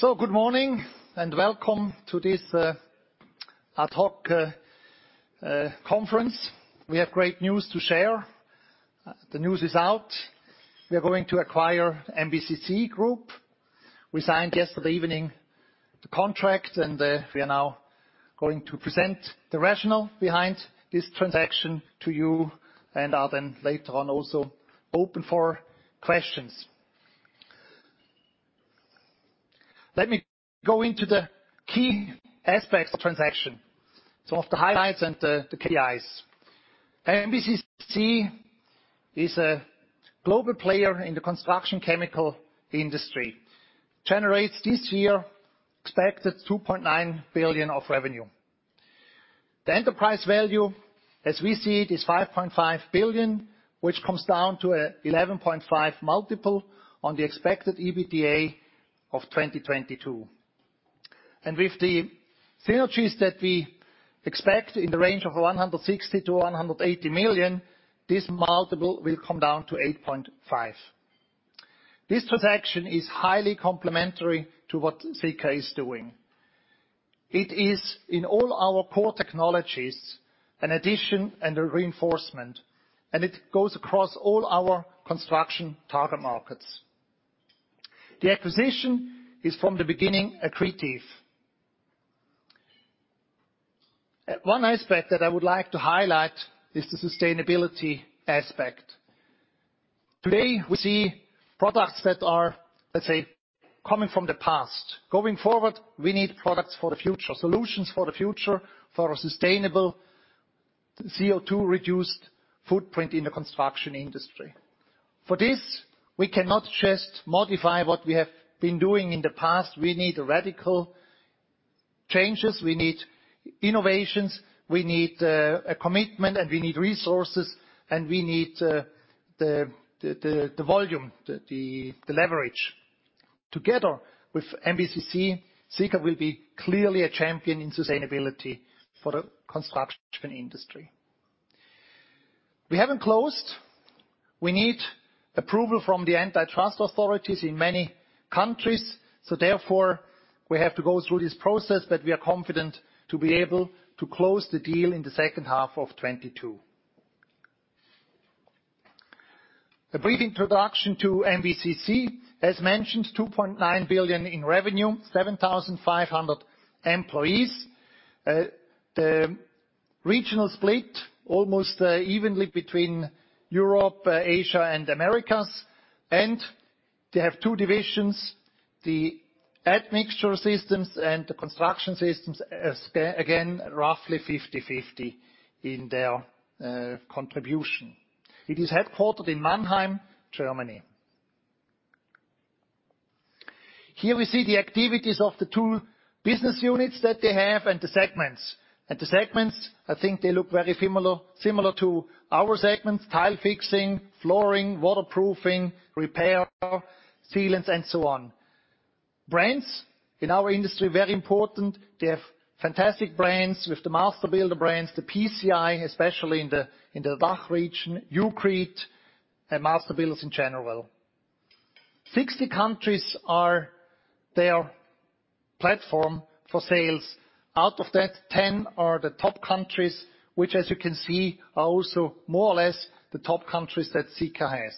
Good morning, and welcome to this ad hoc conference. We have great news to share. The news is out. We are going to acquire MBCC Group. We signed yesterday evening the contract, and we are now going to present the rationale behind this transaction to you, and are then later on also open for questions. Let me go into the key aspects of the transaction, some of the highlights and the KPIs. MBCC is a global player in the construction chemicals industry. It generates this year expected 2.9 billion of revenue. The enterprise value as we see it is 5.5 billion, which comes down to a 11.5x multiple on the expected EBITDA of 2022. With the synergies that we expect in the range of 160 million-180 million, this multiple will come down to 8.5x. This transaction is highly complementary to what Sika is doing. It is in all our core technologies, an addition and a reinforcement, and it goes across all our construction target markets. The acquisition is from the beginning accretive. One aspect that I would like to highlight is the sustainability aspect. Today, we see products that are, let's say, coming from the past. Going forward, we need products for the future, solutions for the future, for a sustainable CO2 reduced footprint in the construction industry. For this, we cannot just modify what we have been doing in the past. We need radical changes. We need innovations. We need a commitment, and we need resources, and we need the volume, the leverage. Together with MBCC, Sika will be clearly a champion in sustainability for the construction industry. We haven't closed. We need approval from the antitrust authorities in many countries, so therefore, we have to go through this process, but we are confident to be able to close the deal in the second half of 2022. A brief introduction to MBCC. As mentioned, 2.9 billion in revenue, 7,500 employees. The regional split almost evenly between Europe, Asia, and Americas. They have two divisions, the Admixture Systems and the Construction Systems, again, roughly 50/50 in their contribution. It is headquartered in Mannheim, Germany. Here we see the activities of the two business units that they have and the segments. The segments, I think they look very similar to our segments: Tile Fixing, Flooring, Waterproofing, Repair, Sealants, and so on. Brands in our industry very important. They have fantastic brands with the Master Builders brands, the PCI, especially in the DACH region, Ucrete, and Master Builders in general. 60 countries are their platform for sales. Out of that, 10 are the top countries, which as you can see are also more or less the top countries that Sika has.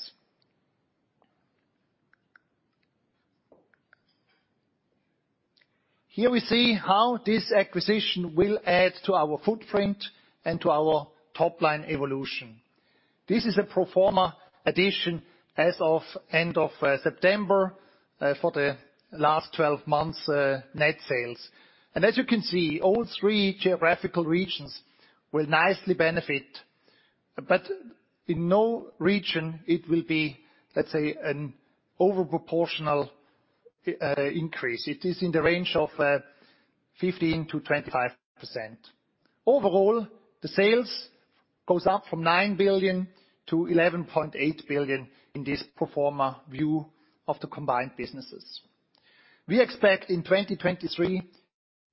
Here we see how this acquisition will add to our footprint and to our top-line evolution. This is a pro forma addition as of end of September for the last 12 months net sales. As you can see, all three geographical regions will nicely benefit. In no region, it will be, let's say, an over proportional increase. It is in the range of 15%-25%. Overall, the sales goes up from 9 billion-11.8 billion in this pro forma view of the combined businesses. We expect in 2023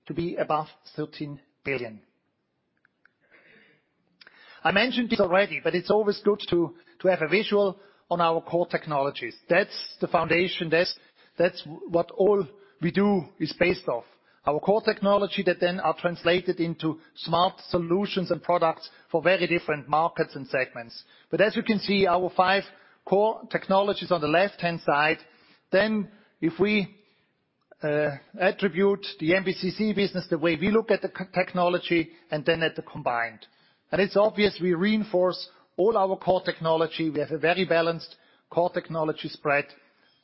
to be above 13 billion. I mentioned this already, but it's always good to have a visual on our core technologies. That's the foundation. That's what all we do is based off our core technology that then are translated into smart solutions and products for very different markets and segments. As you can see, our five core technologies on the left-hand side. If we attribute the MBCC business the way we look at the technology and then at the combined. It's obvious we reinforce all our core technology. We have a very balanced core technology spread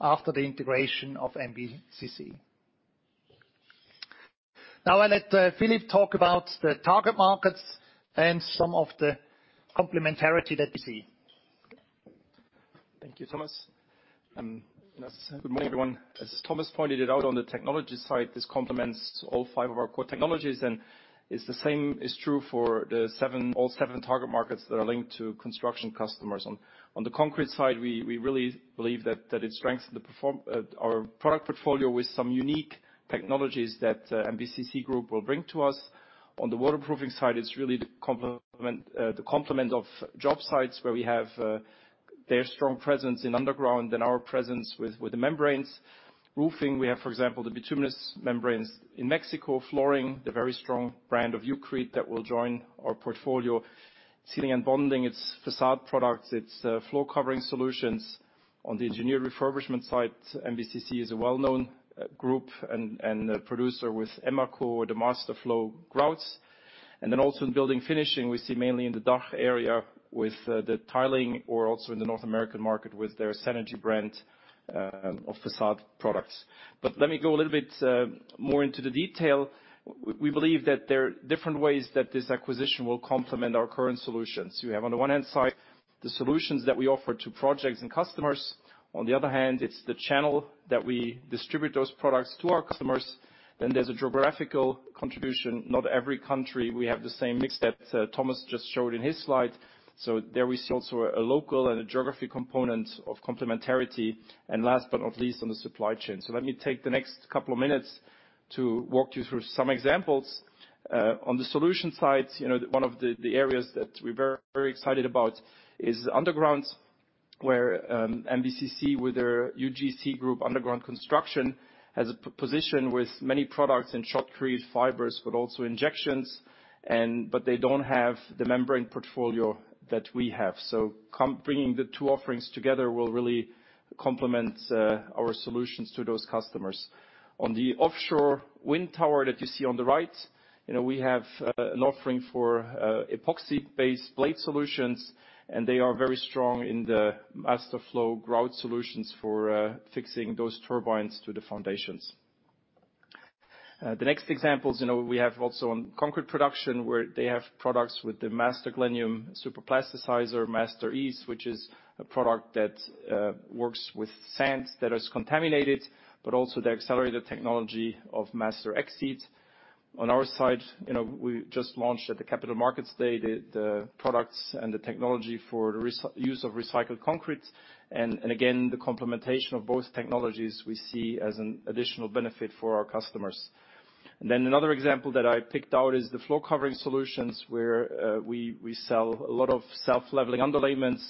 after the integration of MBCC. Now I let Philippe talk about the target markets and some of the complementarity that we see. Thank you, Thomas. Good morning, everyone. As Thomas pointed it out on the technology side, this complements all five of our core technologies, and it's the same is true for all seven target markets that are linked to construction customers. On the Concrete side, we really believe that it strengthens our product portfolio with some unique technologies that MBCC Group will bring to us. On the waterproofing side, it's really the complement of job sites where we have their strong presence in underground and our presence with the membranes. Roofing, we have, for example, the Bituminous membranes in Mexico. Flooring, the very strong brand of Ucrete that will join our portfolio. Sealing and bonding, it's facade products, it's floor covering solutions. On the engineer refurbishment side, MBCC is a well-known group and a producer with MasterEmaco, the MasterFlow grouts. Then also in building finishing, we see mainly in the DACH area with the tiling or also in the North American market with their Senergy brand of facade products. Let me go a little bit more into the detail. We believe that there are different ways that this acquisition will complement our current solutions. You have on the one hand side the solutions that we offer to projects and customers. On the other hand, it's the channel that we distribute those products to our customers. There's a geographical contribution. Not every country we have the same mix that Thomas just showed in his slide. There we see also a local and a geography component of complementarity. Last but not least, on the supply chain. Let me take the next couple of minutes to walk you through some examples. On the solution side, you know, one of the areas that we're very excited about is underground, where MBCC, with their UGC group, Underground Construction, has a position with many products in shotcrete fibers, but also injections, but they don't have the membrane portfolio that we have. Bringing the two offerings together will really complement our solutions to those customers. On the offshore wind tower that you see on the right, you know, we have an offering for epoxy-based blade solutions, and they are very strong in the MasterFlow grout solutions for fixing those turbines to the foundations. The next examples, you know, we have also on concrete production, where they have products with the MasterGlenium superplasticizer, MasterEase, which is a product that works with sand that is contaminated, but also the accelerated technology of Master X-Seed. On our side, you know, we just launched at the Capital Markets Day the products and the technology for the reuse of recycled concrete. Again, the complementation of both technologies we see as an additional benefit for our customers. Then another example that I picked out is the floor covering solutions, where we sell a lot of self-leveling underlayments.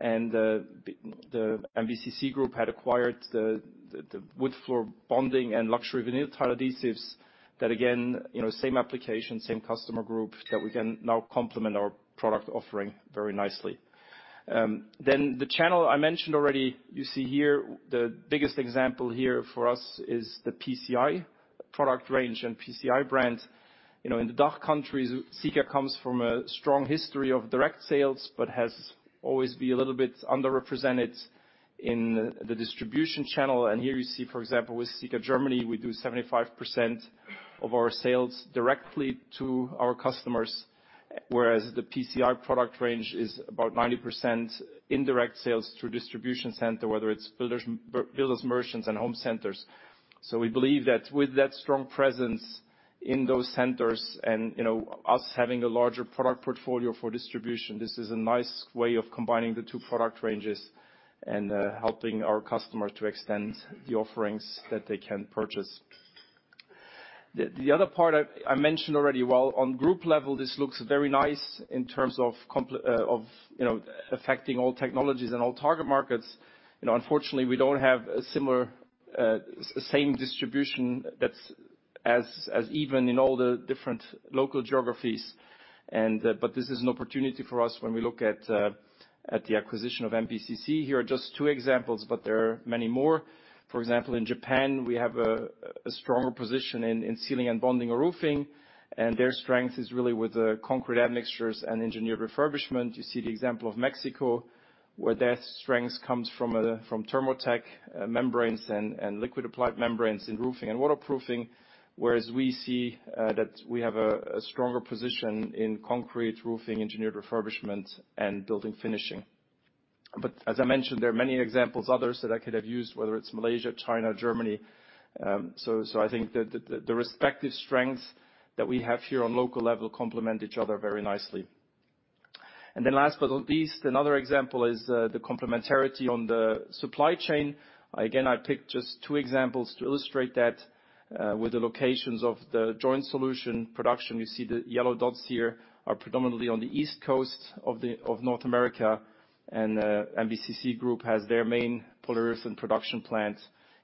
The MBCC Group had acquired the wood floor bonding and luxury vinyl tile adhesives that again, you know, same application, same customer group, that we can now complement our product offering very nicely. The channel I mentioned already, you see here, the biggest example here for us is the PCI product range and PCI brand. You know, in the DACH countries, Sika comes from a strong history of direct sales, but has always been a little bit underrepresented in the distribution channel. Here you see, for example, with Sika Germany, we do 75% of our sales directly to our customers, whereas the PCI product range is about 90% indirect sales through distribution centers, whether it's builders merchants and home centers. We believe that with that strong presence in those centers and, you know, us having a larger product portfolio for distribution, this is a nice way of combining the two product ranges and helping our customers to extend the offerings that they can purchase. The other part I mentioned already, while on group level this looks very nice in terms of complementary, you know, affecting all technologies and all target markets. You know, unfortunately, we don't have the same distribution that's as even in all the different local geographies. But this is an opportunity for us when we look at the acquisition of MBCC. Here are just two examples, but there are many more. For example, in Japan, we have a stronger position in sealing and bonding or roofing, and their strength is really with the concrete admixtures and engineered refurbishment. You see the example of Mexico, where their strength comes from Thermotek membranes and liquid applied membranes in roofing and waterproofing, whereas we see, that we have a stronger position in concrete roofing, engineered refurbishment and building finishing. As I mentioned, there are many examples, others that I could have used, whether it's Malaysia, China, Germany. I think the respective strengths that we have here on local level complement each other very nicely. Then last but not least, another example is the complementarity on the supply chain. Again, I picked just two examples to illustrate that, with the locations of the joint solution production. You see the yellow dots here are predominantly on the east coast of the North America. MBCC Group has their main polyurethane production plant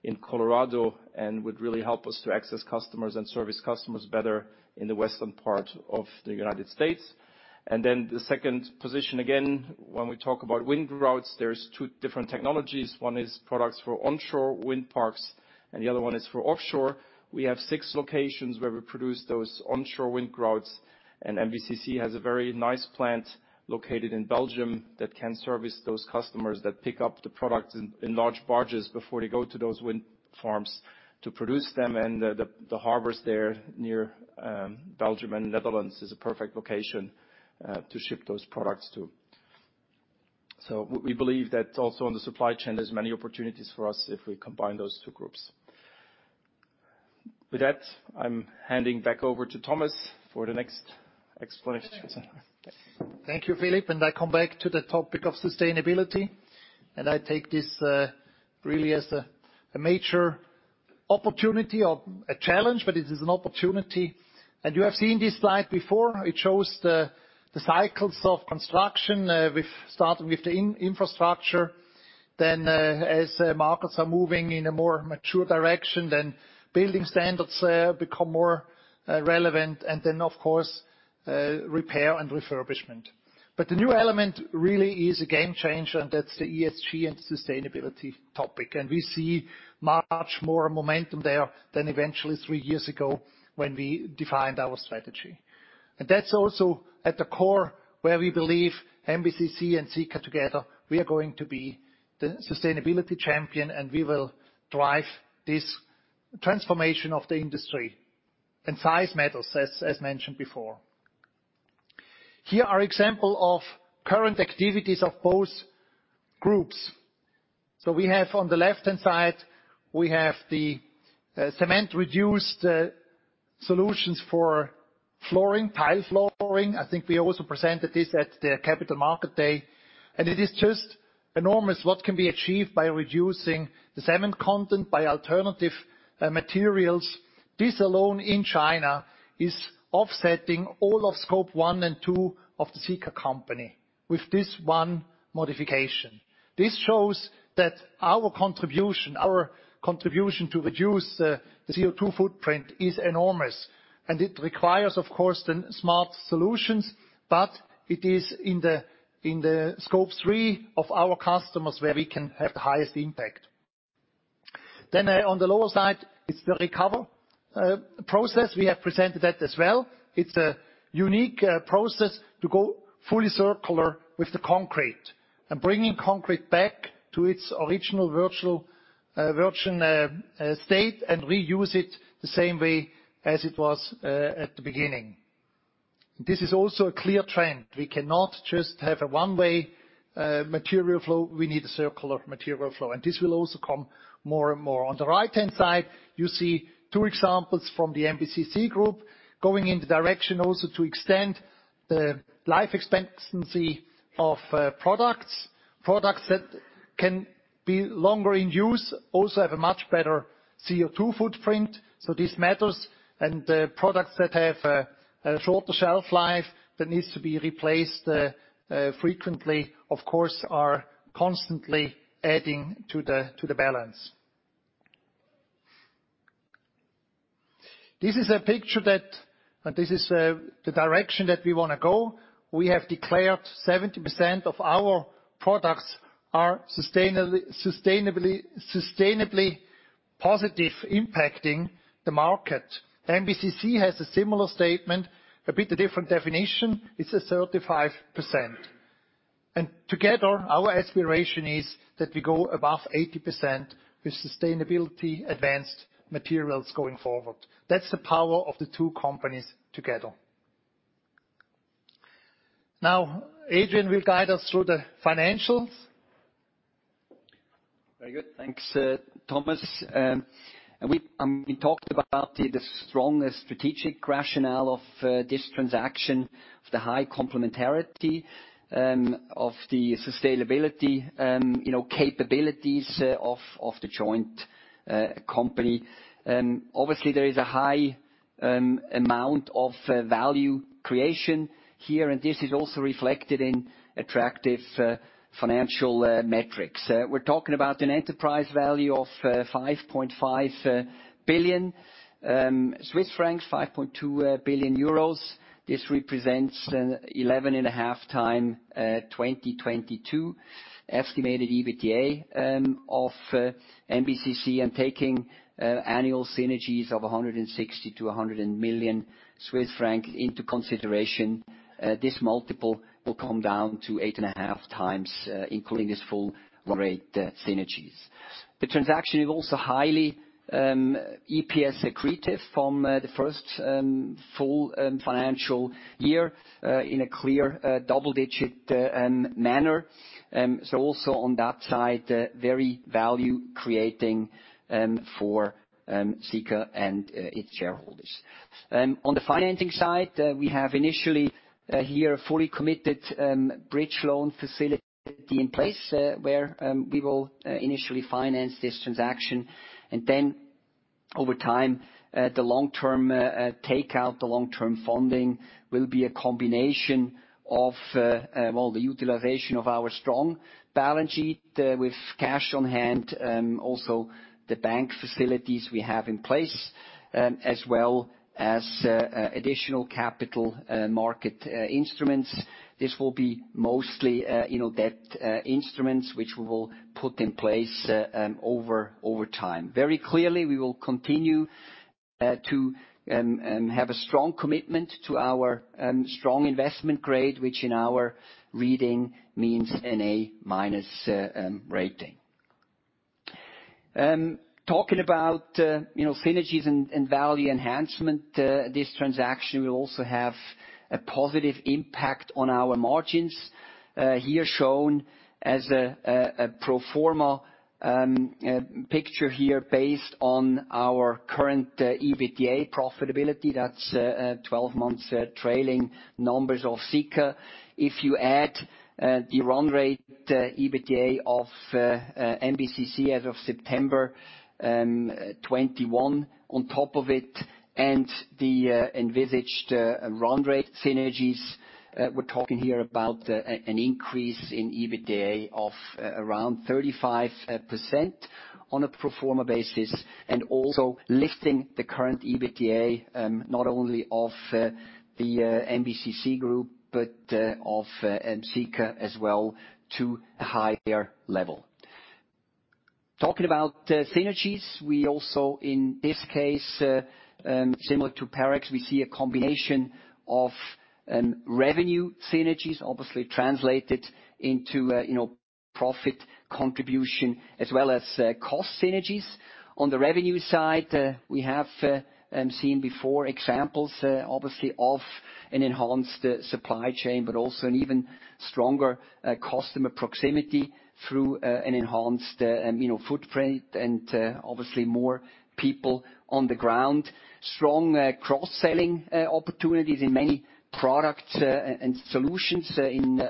in Colorado and would really help us to access customers and service customers better in the western part of the United States. Then the second position, again, when we talk about wind grouts, there's two different technologies. One is products for onshore wind parks, and the other one is for offshore. We have six locations where we produce those onshore wind grouts, and MBCC has a very nice plant located in Belgium that can service those customers that pick up the products in large barges before they go to those wind farms to produce them. The harbors there near Belgium and Netherlands is a perfect location to ship those products to. We believe that also on the supply chain, there's many opportunities for us if we combine those two groups. With that, I'm handing back over to Thomas for the next explanations. Thank you, Philippe. I come back to the topic of sustainability, and I take this really as a major opportunity or a challenge, but it is an opportunity. You have seen this slide before. It shows the cycles of construction with starting with the infrastructure. As markets are moving in a more mature direction, then building standards become more relevant, and then of course repair and refurbishment. The new element really is a game changer, and that's the ESG and sustainability topic. We see much more momentum there than eventually three years ago when we defined our strategy. That's also at the core where we believe MBCC and Sika together we are going to be the sustainability champion, and we will drive this transformation of the industry. Size matters, as mentioned before. Here are examples of current activities of both groups. We have, on the left-hand side, the cement reduced solutions for Flooring, Tile Flooring. I think we also presented this at the Capital Markets Day. It is just enormous what can be achieved by reducing the cement content by alternative materials. This alone in China is offsetting all of Scope 1 and 2 of the Sika company with this one modification. This shows that our contribution to reduce the CO2 footprint is enormous, and it requires, of course, the smart solutions, but it is in the Scope 3 of our customers where we can have the highest impact. On the lower side is the recovery process. We have presented that as well. It's a unique process to go fully circular with the concrete and bringing concrete back to its original, virtually virgin, state and reuse it the same way as it was at the beginning. This is also a clear trend. We cannot just have a one-way material flow. We need a circular material flow, and this will also come more and more. On the right-hand side, you see two examples from the MBCC Group going in the direction also to extend the life expectancy of products. Products that can be longer in use also have a much better CO2 footprint, so this matters. Products that have a shorter shelf life that needs to be replaced frequently, of course, are constantly adding to the balance. This is the direction that we wanna go. We have declared 70% of our products are sustainably positive impacting the market. MBCC has a similar statement, a bit different definition. It's a 35%. Together, our aspiration is that we go above 80% with sustainability advanced materials going forward. That's the power of the two companies together. Now, Adrian will guide us through the financials. Very good. Thanks, Thomas. We talked about the strong strategic rationale of this transaction, of the high complementarity of the sustainability, you know, capabilities of the joint company. Obviously, there is a high amount of value creation here, and this is also reflected in attractive financial metrics. We're talking about an enterprise value of 5.5 billion Swiss francs, 5.2 billion euros. This represents a 11.5x 2022 estimated EBITDA of MBCC and taking annual synergies of 160- 180 million Swiss francs into consideration. This multiple will come down to 8.5x, including this full run-rate synergies. The transaction is also highly EPS accretive from the first full financial year in a clear double-digit manner. Also on that side, very value creating for Sika and its shareholders. On the financing side, we have initially here fully committed bridge loan facility in place, where we will initially finance this transaction. Then over time, the long-term takeout, the long-term funding will be a combination of well, the utilization of our strong balance sheet with cash on hand, also the bank facilities we have in place, as well as additional capital market instruments. This will be mostly you know debt instruments which we will put in place over time. Very clearly, we will continue to have a strong commitment to our strong investment grade, which in our reading means an A- rating. Talking about you know synergies and value enhancement, this transaction will also have a positive impact on our margins. Here shown as a pro forma picture here based on our current EBITDA profitability. That's 12 months trailing numbers of Sika. If you add the run rate EBITDA of MBCC as of September 2021 on top of it and the envisaged run rate synergies, we're talking here about an increase in EBITDA of around 35% on a pro forma basis, and also lifting the current EBITDA not only off the MBCC Group, but of Sika as well to a higher level. Talking about synergies, we also in this case similar to Parex, we see a combination of revenue synergies obviously translated into you know, profit contribution as well as cost synergies. On the revenue side, we have seen before examples obviously of an enhanced supply chain, but also an even stronger customer proximity through an enhanced you know footprint and obviously more people on the ground. Strong cross-selling opportunities in many products and solutions in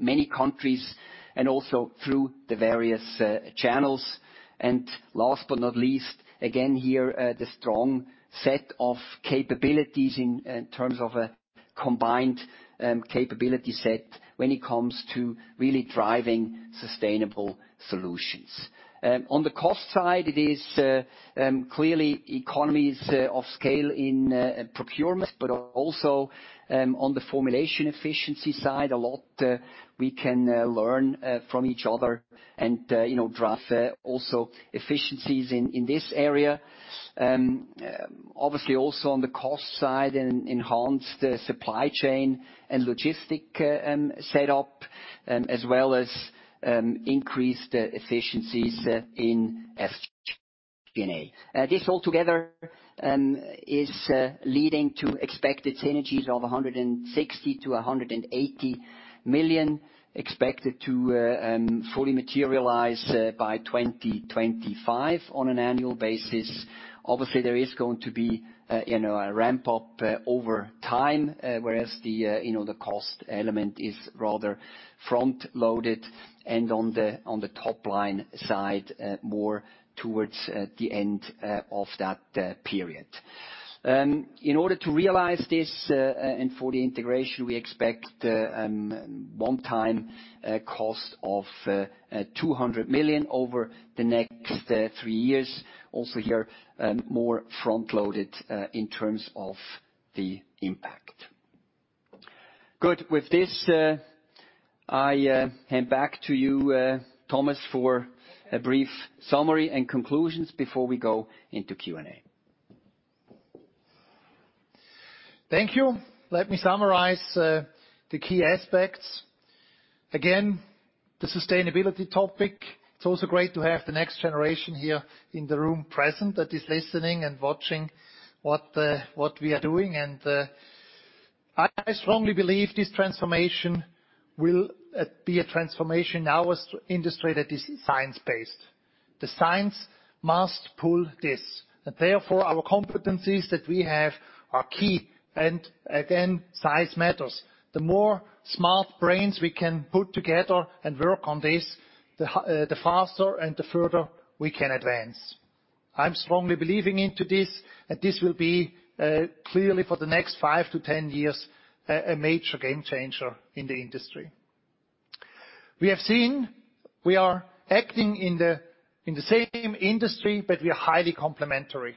many countries and also through the various channels. Last but not least, again here, the strong set of capabilities in terms of a combined capability set when it comes to really driving sustainable solutions. On the cost side, it is clearly economies of scale in procurements, but also on the formulation efficiency side, a lot we can learn from each other and you know drive also efficiencies in this area. Obviously also on the cost side, an enhanced supply chain and logistics setup, as well as increased efficiencies in SG&A. This altogether is leading to expected synergies of 160 million-180 million, expected to fully materialize by 2025 on an annual basis. Obviously, there is going to be, you know, a ramp-up over time, whereas the, you know, the cost element is rather front-loaded and on the top-line side, more towards the end of that period. In order to realize this and for the integration, we expect one-time cost of 200 million over the next three years. Also here, more front-loaded in terms of the impact. Good. With this, I hand back to you, Thomas, for a brief summary and conclusions before we go into Q&A. Thank you. Let me summarize the key aspects. Again, the sustainability topic. It's also great to have the next generation here in the room present that is listening and watching what we are doing. I strongly believe this transformation will be a transformation in our industry that is science-based. The science must pull this. Therefore, our competencies that we have are key, and again, size matters. The more smart brains we can put together and work on this, the faster and the further we can advance. I'm strongly believing into this, and this will be clearly for the next five to 10 years, a major game changer in the industry. We have seen we are acting in the same industry, but we are highly complementary.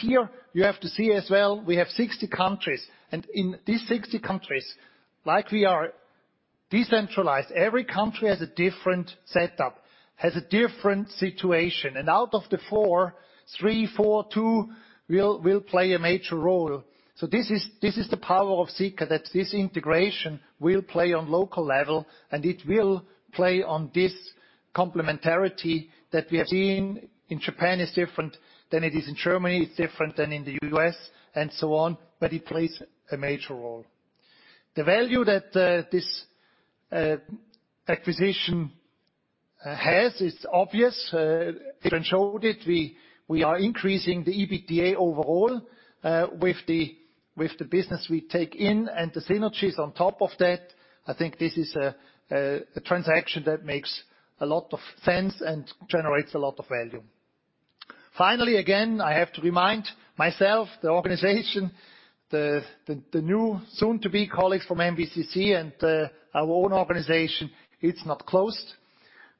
Here you have to see as well, we have 60 countries. In these 60 countries, like we are decentralized, every country has a different setup, has a different situation. Out of the four, three, four, two will play a major role. This is the power of Sika, that this integration will play on local level, and it will play on this complementarity that we have seen in Japan is different than it is in Germany, it's different than in the U.S., and so on, but it plays a major role. The value that this acquisition has is obvious. Adrian showed it. We are increasing the EBITDA overall with the business we take in and the synergies on top of that. I think this is a transaction that makes a lot of sense and generates a lot of value. Finally, again, I have to remind myself, the organization, the new soon-to-be colleagues from MBCC and our own organization, it's not closed.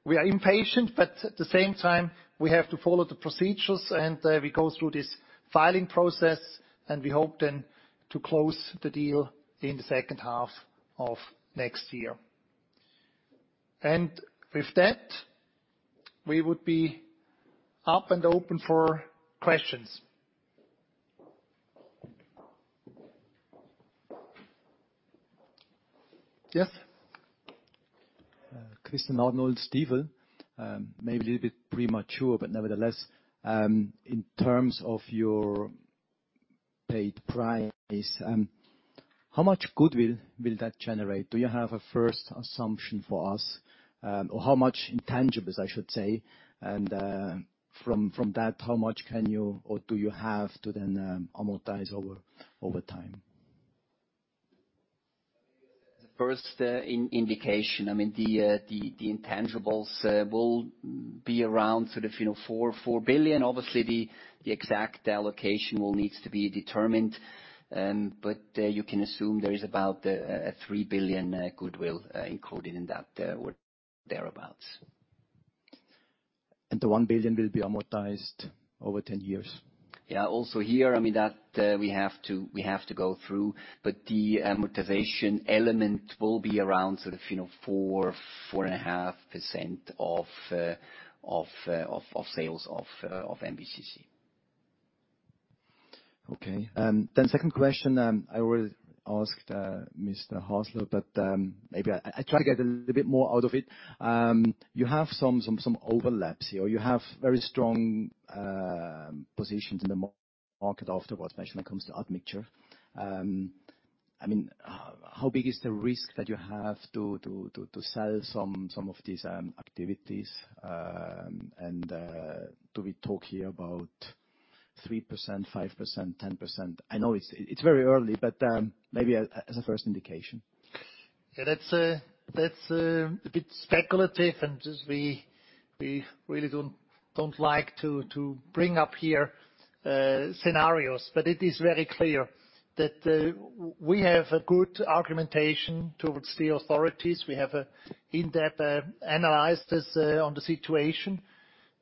We are impatient, but at the same time, we have to follow the procedures, and we go through this filing process, and we hope then to close the deal in the second half of next year. With that, we would be up and open for questions. Yes? Christian Arnold, Stifel. Maybe a little bit premature, but nevertheless, in terms of your purchase price, how much goodwill will that generate? Do you have a first assumption for us, or how much intangibles I should say? From that, how much can you or do you have to then amortize over time? As a first indication, I mean, the intangibles will be around sort of, you know, 4 billion. Obviously, the exact allocation will need to be determined, but you can assume there is about a 3 billion goodwill included in that, or thereabout. 1 billion will be amortized over 10 years. Also here, I mean that we have to go through, but the amortization element will be around sort of, you know, 4.5% of sales of MBCC. Okay. Second question, I already asked Mr. Hasler, but maybe I try to get a little bit more out of it. You have some overlaps here. You have very strong positions in the market after what's mentioned when it comes to admixture. I mean, how big is the risk that you have to sell some of these activities? And do we talk here about 3%, 5%, 10%? I know it's very early, but maybe as a first indication. Yeah, that's a bit speculative and just we really don't like to bring up here scenarios. It is very clear that we have a good argumentation towards the authorities. We have an in-depth analysis on the situation.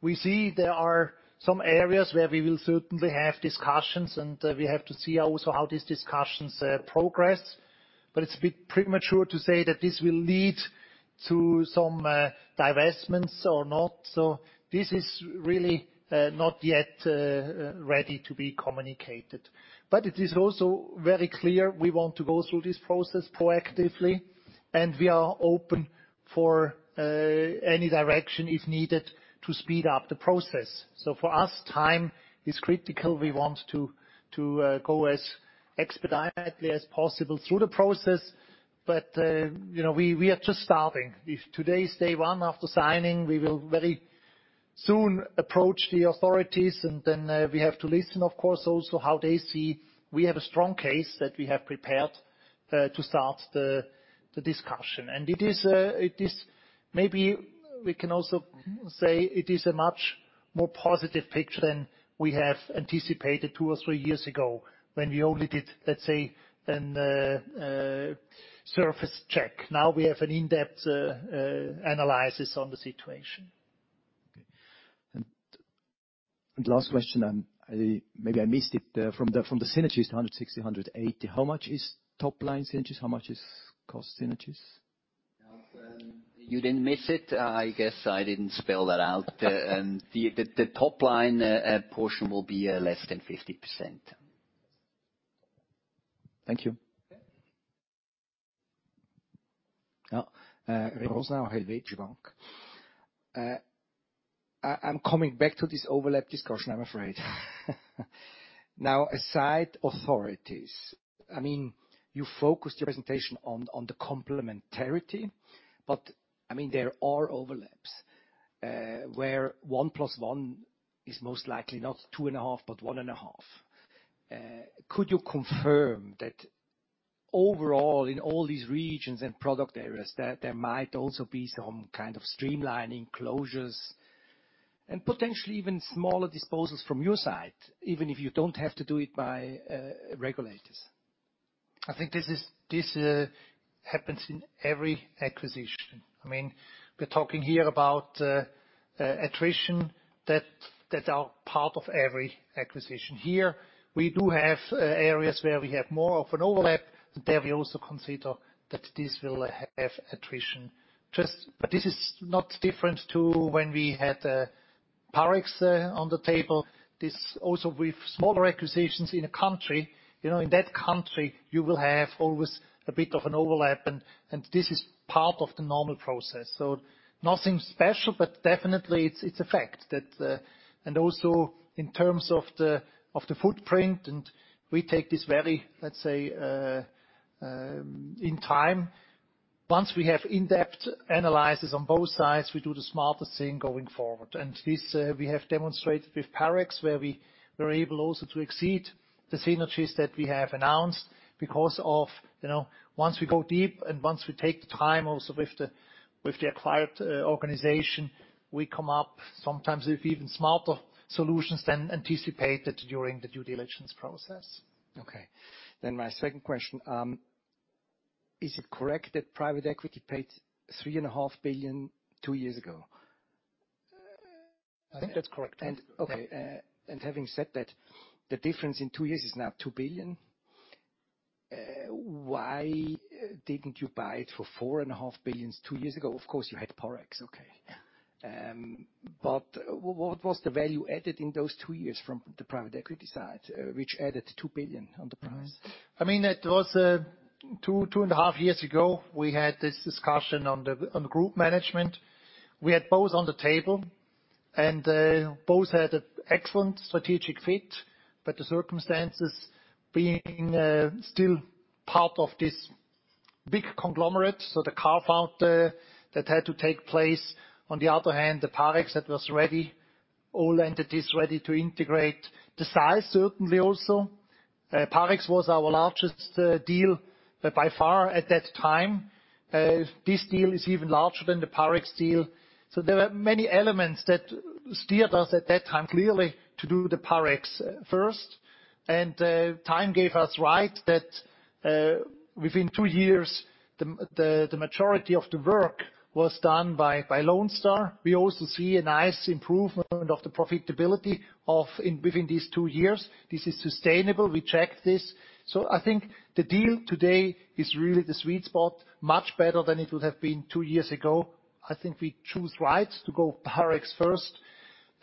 We see there are some areas where we will certainly have discussions, and we have to see also how these discussions progress. It's a bit premature to say that this will lead to some divestments or not. This is really not yet ready to be communicated. It is also very clear we want to go through this process proactively, and we are open for any direction if needed to speed up the process. For us, time is critical. We want to go as expeditiously as possible through the process. You know, we are just starting. If today is day one after signing, we will very soon approach the authorities and then we have to listen, of course, also how they see. We have a strong case that we have prepared to start the discussion. It is a much more positive picture than we have anticipated two or three years ago when we only did, let's say, a surface check. Now we have an in-depth analysis on the situation. Okay. Last question, maybe I missed it. From the synergies, 160 million, 180 million, how much is top line synergies? How much is cost synergies? You didn't miss it. I guess I didn't spell that out. The top line portion will be less than 50%. Thank you. Okay. Yeah, Rosenau, Helvetische Bank. I'm coming back to this overlap discussion, I'm afraid. Now, authorities aside, I mean, you focused your presentation on the complementarity, but I mean, there are overlaps, where 1 + 1 is most likely not 2.5, but 1.5. Could you confirm that overall in all these regions and product areas that there might also be some kind of streamlining closures and potentially even smaller disposals from your side, even if you don't have to do it by regulators? I think this happens in every acquisition. I mean, we're talking here about attrition that are part of every acquisition. Here, we do have areas where we have more of an overlap. There we also consider that this will have attrition. But this is not different to when we had Parex on the table. This also with smaller acquisitions in a country. You know, in that country, you will have always a bit of an overlap, and this is part of the normal process. Nothing special, but definitely it's a fact that. Also in terms of the footprint, and we take this very, let's say, in time. Once we have in-depth analysis on both sides, we do the smartest thing going forward. This, we have demonstrated with Parex, where we were able also to exceed the synergies that we have announced because of, you know, once we go deep and once we take the time also with the acquired organization, we come up sometimes with even smarter solutions than anticipated during the due diligence process. Okay. My second question, is it correct that private equity paid 3.5 billion two years ago? I think that's correct. Having said that, the difference in two years is now 2 billion. Why didn't you buy it for 4.5 billion two years ago? Of course, you had Parex. What was the value added in those two years from the private equity side, which added 2 billion on the price? I mean, it was 2.5 years ago, we had this discussion on group management. We had both on the table, and both had an excellent strategic fit, but the circumstances being still part of this big conglomerate. The carve-out that had to take place, on the other hand, the Parex that was ready. All entities ready to integrate. The size certainly also. Parex was our largest deal by far at that time. This deal is even larger than the Parex deal. There were many elements that steered us at that time, clearly, to do the Parex first. Time proved us right that within two years the majority of the work was done by Lone Star. We also see a nice improvement of the profitability within these two years. This is sustainable. We checked this. I think the deal today is really the sweet spot. Much better than it would have been two years ago. I think we choose right to go Parex first,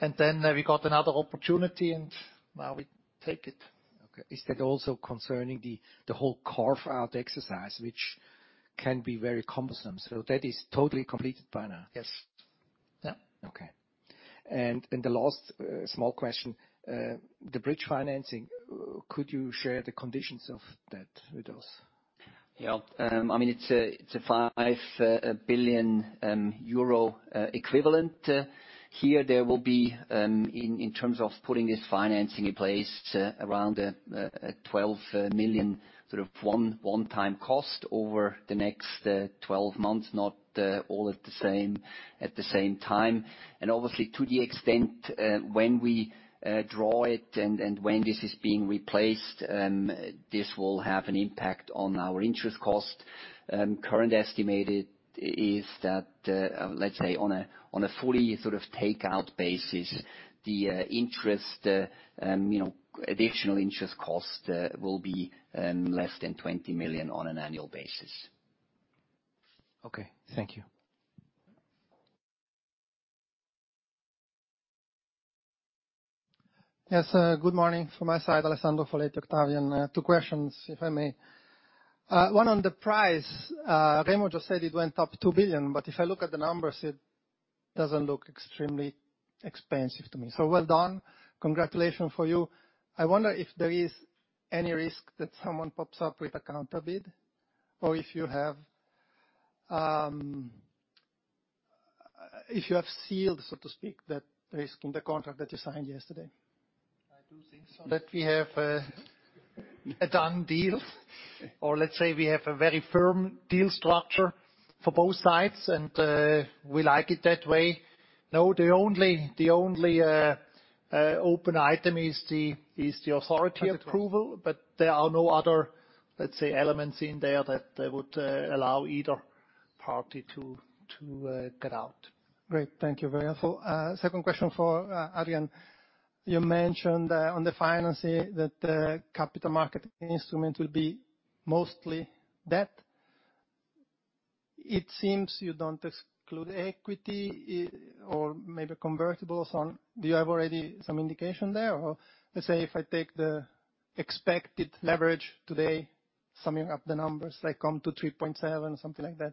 and then we got another opportunity and now we take it. Okay. Is that also concerning the whole carve-out exercise, which can be very cumbersome, so that is totally completed by now? Yes. Yeah. Okay. The last small question. The bridge financing, could you share the conditions of that with us? Yeah. I mean, it's a 5 billion euro equivalent. Here there will be, in terms of putting this financing in place, around 12 million sort of one-time cost over the next 12 months, not all at the same time. Obviously, to the extent when we draw it and when this is being replaced, this will have an impact on our interest cost. Current estimate is that, let's say, on a fully sort of takeout basis, the interest, you know, additional interest cost, will be less than 20 million on an annual basis. Okay. Thank you. Yes. Good morning from my side, Alessandro Foletti, Octavian. Two questions, if I may. One on the price. Remo just said it went up 2 billion, but if I look at the numbers, it doesn't look extremely expensive to me. So well done. Congratulations for you. I wonder if there is any risk that someone pops up with a counter bid or if you have sealed, so to speak, that risk in the contract that you signed yesterday. I do think so, that we have a done deal. Or let's say we have a very firm deal structure for both sides, and we like it that way. No, the only open item is the authority approval. But there are no other, let's say, elements in there that would allow either party to get out. Great. Thank you very much. Second question for Adrian. You mentioned on the financing that capital market instrument will be mostly debt. It seems you don't exclude equity or maybe convertibles on. Do you have already some indication there? Or, let's say, if I take the expected leverage today, summing up the numbers, I come to 3.7x or something like that.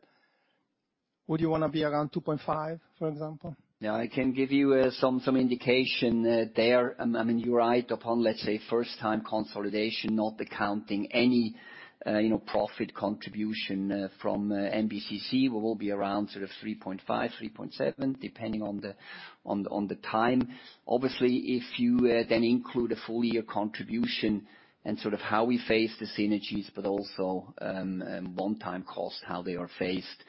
Would you wanna be around 2.5x, for example? Yeah. I can give you some indication there. I mean, you're right. Upon let's say first time consolidation, not accounting for any you know profit contribution from MBCC, we will be around sort of 3.5x, 3.7x, depending on the time. Obviously, if you then include a full year contribution and sort of how we phase the synergies but also one-time costs, how they are phased,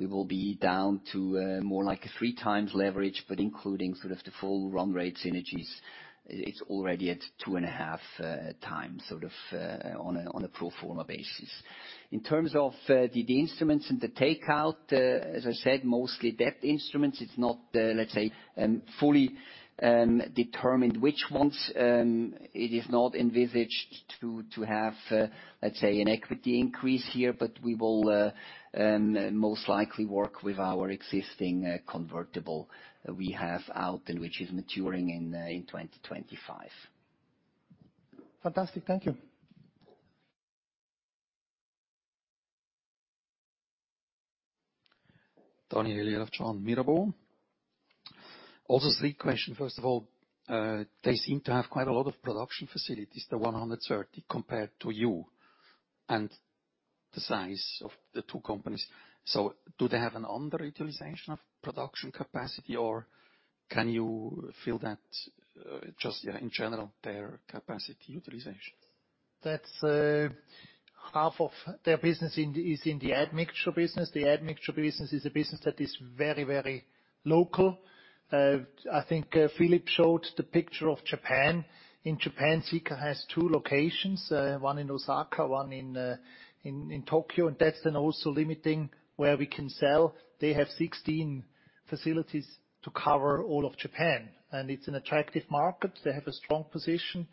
we will be down to more like a 3x leverage, but including sort of the full run rate synergies, it's already at 2.5x, sort of, on a pro forma basis. In terms of the instruments and the takeout, as I said, mostly debt instruments. It's not, let's say, fully determined which ones. It is not envisaged to have, let's say, an equity increase here, but we will most likely work with our existing convertible we have out and which is maturing in 2025. Fantastic. Thank you. Daniel Jelovcan, Mirabaud. Also three questions. First of all, they seem to have quite a lot of production facilities, the 130, compared to you and the size of the two companies. Do they have an underutilization of production capacity, or can you fill that, just, yeah, in general, their capacity utilization? That's half of their business is in the admixture business. The admixture business is a business that is very, very local. I think Philippe showed the picture of Japan. In Japan, Sika has two locations, one in Osaka, one in Tokyo. That's then also limiting where we can sell. They have 16 facilities to cover all of Japan, and it's an attractive market. They have a strong position.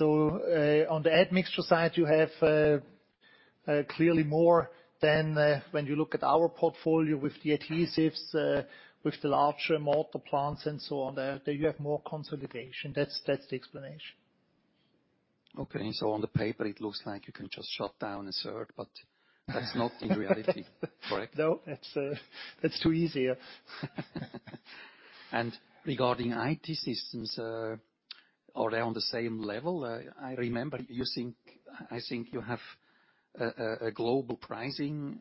On the admixture side, you have clearly more than when you look at our portfolio with the adhesives with the larger mortar plants and so on. There you have more consolidation. That's the explanation. Okay. On the paper, it looks like you can just shut down a third, but that's not the reality, correct? No, that's too easy, yeah. Regarding IT systems, are they on the same level? I remember I think you have a global pricing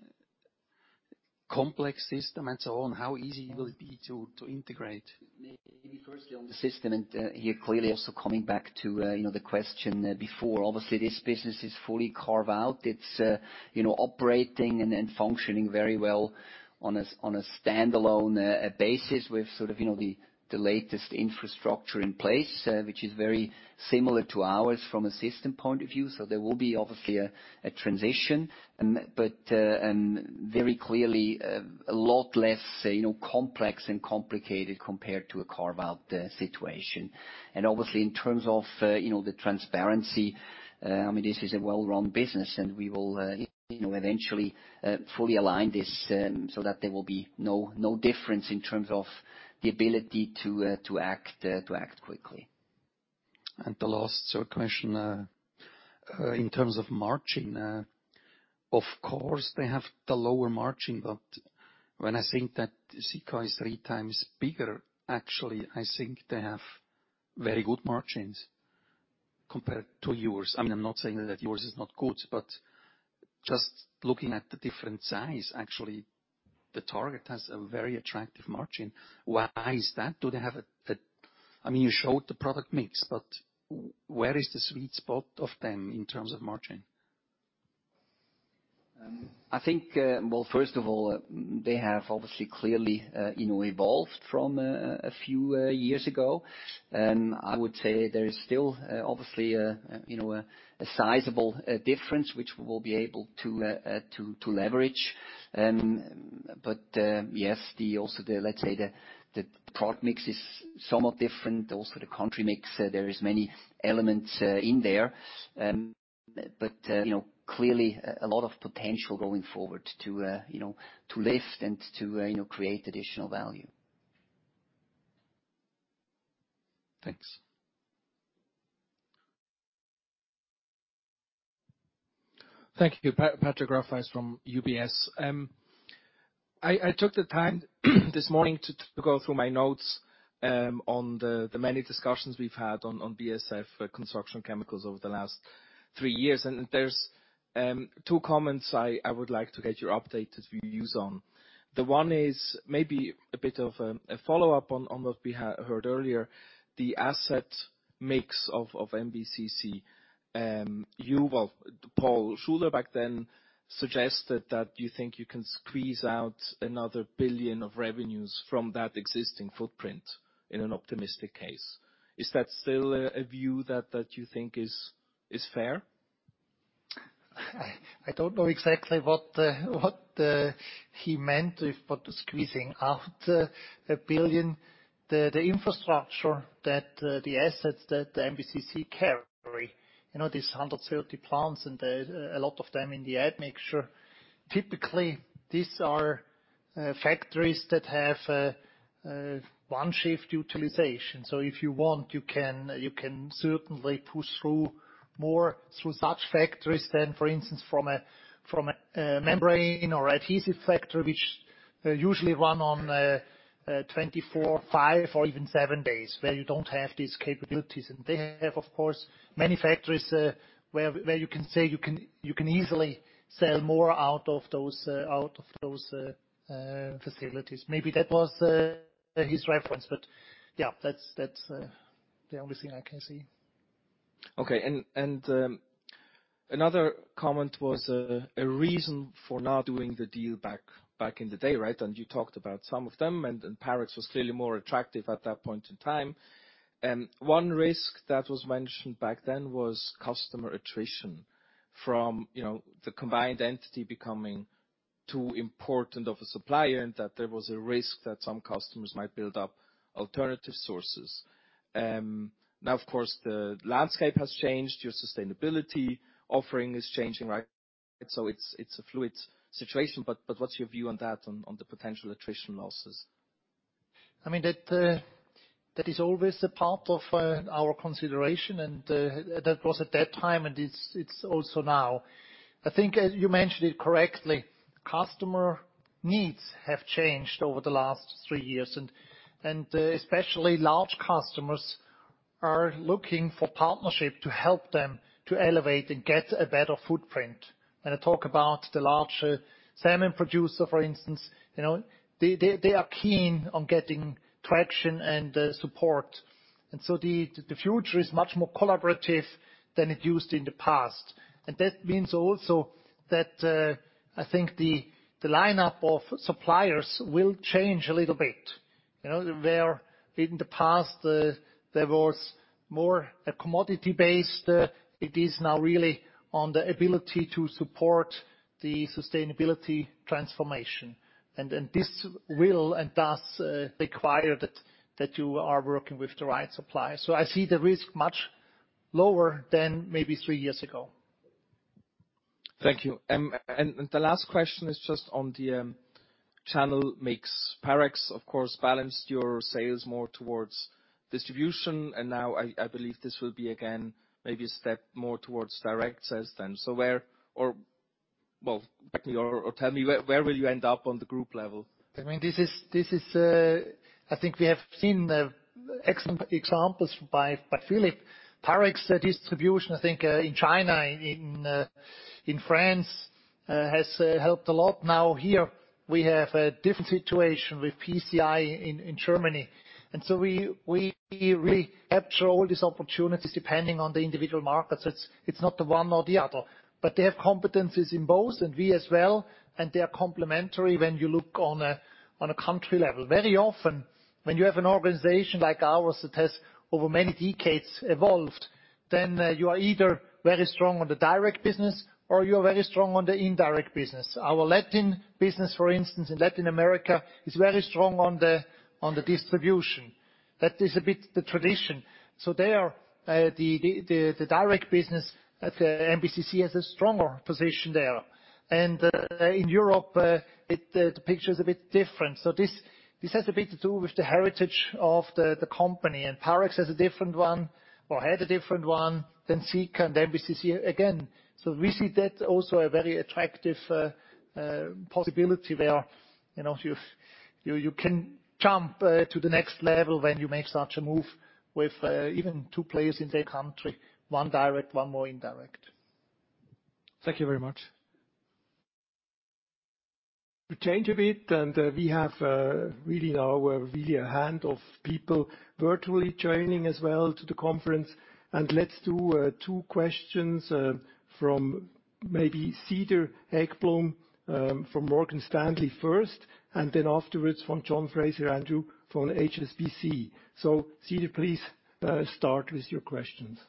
complex system and so on, how easy it will be to integrate. Maybe firstly on the system, and here clearly also coming back to you know, the question before. Obviously, this business is fully carved out. It's you know, operating and functioning very well on a standalone basis with sort of you know, the latest infrastructure in place, which is very similar to ours from a system point of view. There will be obviously a transition, but very clearly a lot less complex and complicated compared to a carve-out situation. Obviously in terms of the transparency, I mean, this is a well-run business, and we will you know, eventually fully align this, so that there will be no difference in terms of the ability to act quickly. The last sort of question in terms of margin. Of course, they have the lower margin, but when I think that Sika is three times bigger, actually, I think they have very good margins compared to yours. I mean, I'm not saying that yours is not good, but just looking at the different size, actually, the target has a very attractive margin. Why is that? Do they have, I mean, you showed the product mix, but where is the sweet spot of them in terms of margin? I think, well, first of all, they have obviously clearly, you know, evolved from a few years ago. I would say there is still obviously a sizable difference which we will be able to to leverage. Yes, also, let's say, the product mix is somewhat different. Also the country mix, there is many elements in there. You know, clearly a lot of potential going forward to, you know, to lift and to, you know, create additional value. Thanks. Thank you. Patrick Rafaisz is from UBS. I took the time this morning to go through my notes on the many discussions we've had on BASF Construction Chemicals over the last three years. There's two comments I would like to get your updated views on. The one is maybe a bit of a follow-up on what we heard earlier. The asset mix of MBCC. Well, Paul Schuler back then suggested that you think you can squeeze out another 1 billion of revenues from that existing footprint in an optimistic case. Is that still a view that you think is fair? I don't know exactly what he meant, but squeezing out 1 billion. The infrastructure that the assets that the MBCC carries, you know, these 130 plants and a lot of them in the admixture. Typically, these are factories that have one shift utilization. So if you want, you can certainly push through more through such factories than, for instance, from a membrane or adhesive factory, which usually run on 24/5 or even 7 days, where you don't have these capabilities. They have, of course, many factories, where you can say you can easily sell more out of those facilities. Maybe that was his reference. Yeah, that's the only thing I can see. Another comment was a reason for not doing the deal back in the day, right? You talked about some of them, and Parex was clearly more attractive at that point in time. One risk that was mentioned back then was customer attrition from, you know, the combined entity becoming too important of a supplier and that there was a risk that some customers might build up alternative sources. Now, of course, the landscape has changed. Your sustainability offering is changing, right? It's a fluid situation, but what's your view on that, on the potential attrition losses? I mean, that is always a part of our consideration and that was at that time, and it's also now. I think you mentioned it correctly. Customer needs have changed over the last three years. Especially large customers are looking for partnership to help them to elevate and get a better footprint. When I talk about the large cement producer, for instance, you know, they are keen on getting traction and support. The future is much more collaborative than it used in the past. That means also that I think the lineup of suppliers will change a little bit. You know, where in the past there was more a commodity base, it is now really on the ability to support the sustainability transformation. This will and does require that you are working with the right supplier. I see the risk much lower than maybe three years ago. Thank you. The last question is just on the channel mix. Parex, of course, balanced your sales more towards distribution, and now I believe this will be again maybe a step more towards direct sales then. Well, correct me or tell me where you will end up on the group level? I mean, this is. I think we have seen excellent examples by Philippe. Parex distribution, I think, in China, in France, has helped a lot. Now here we have a different situation with PCI in Germany. We really capture all these opportunities depending on the individual markets. It's not the one or the other. They have competencies in both and we as well, and they are complementary when you look on a country level. Very often, when you have an organization like ours that has over many decades evolved, then you are either very strong on the direct business or you are very strong on the indirect business. Our Latin business, for instance, in Latin America, is very strong on the distribution. That is a bit the tradition. There, the direct business at MBCC has a stronger position there. In Europe, the picture is a bit different. This has a bit to do with the heritage of the company. Parex has a different one or had a different one than Sika and MBCC. We see that also a very attractive possibility where, you know, you can jump to the next level when you make such a move with even two players in their country, one direct, one more indirect. Thank you very much. We change a bit, and we have really now a handful of people virtually joining as well to the conference. Let's do two questions from maybe Cedar Ekblom from Morgan Stanley first, and then afterwards from John Fraser-Andrews from HSBC. Cedar, please, start with your questions.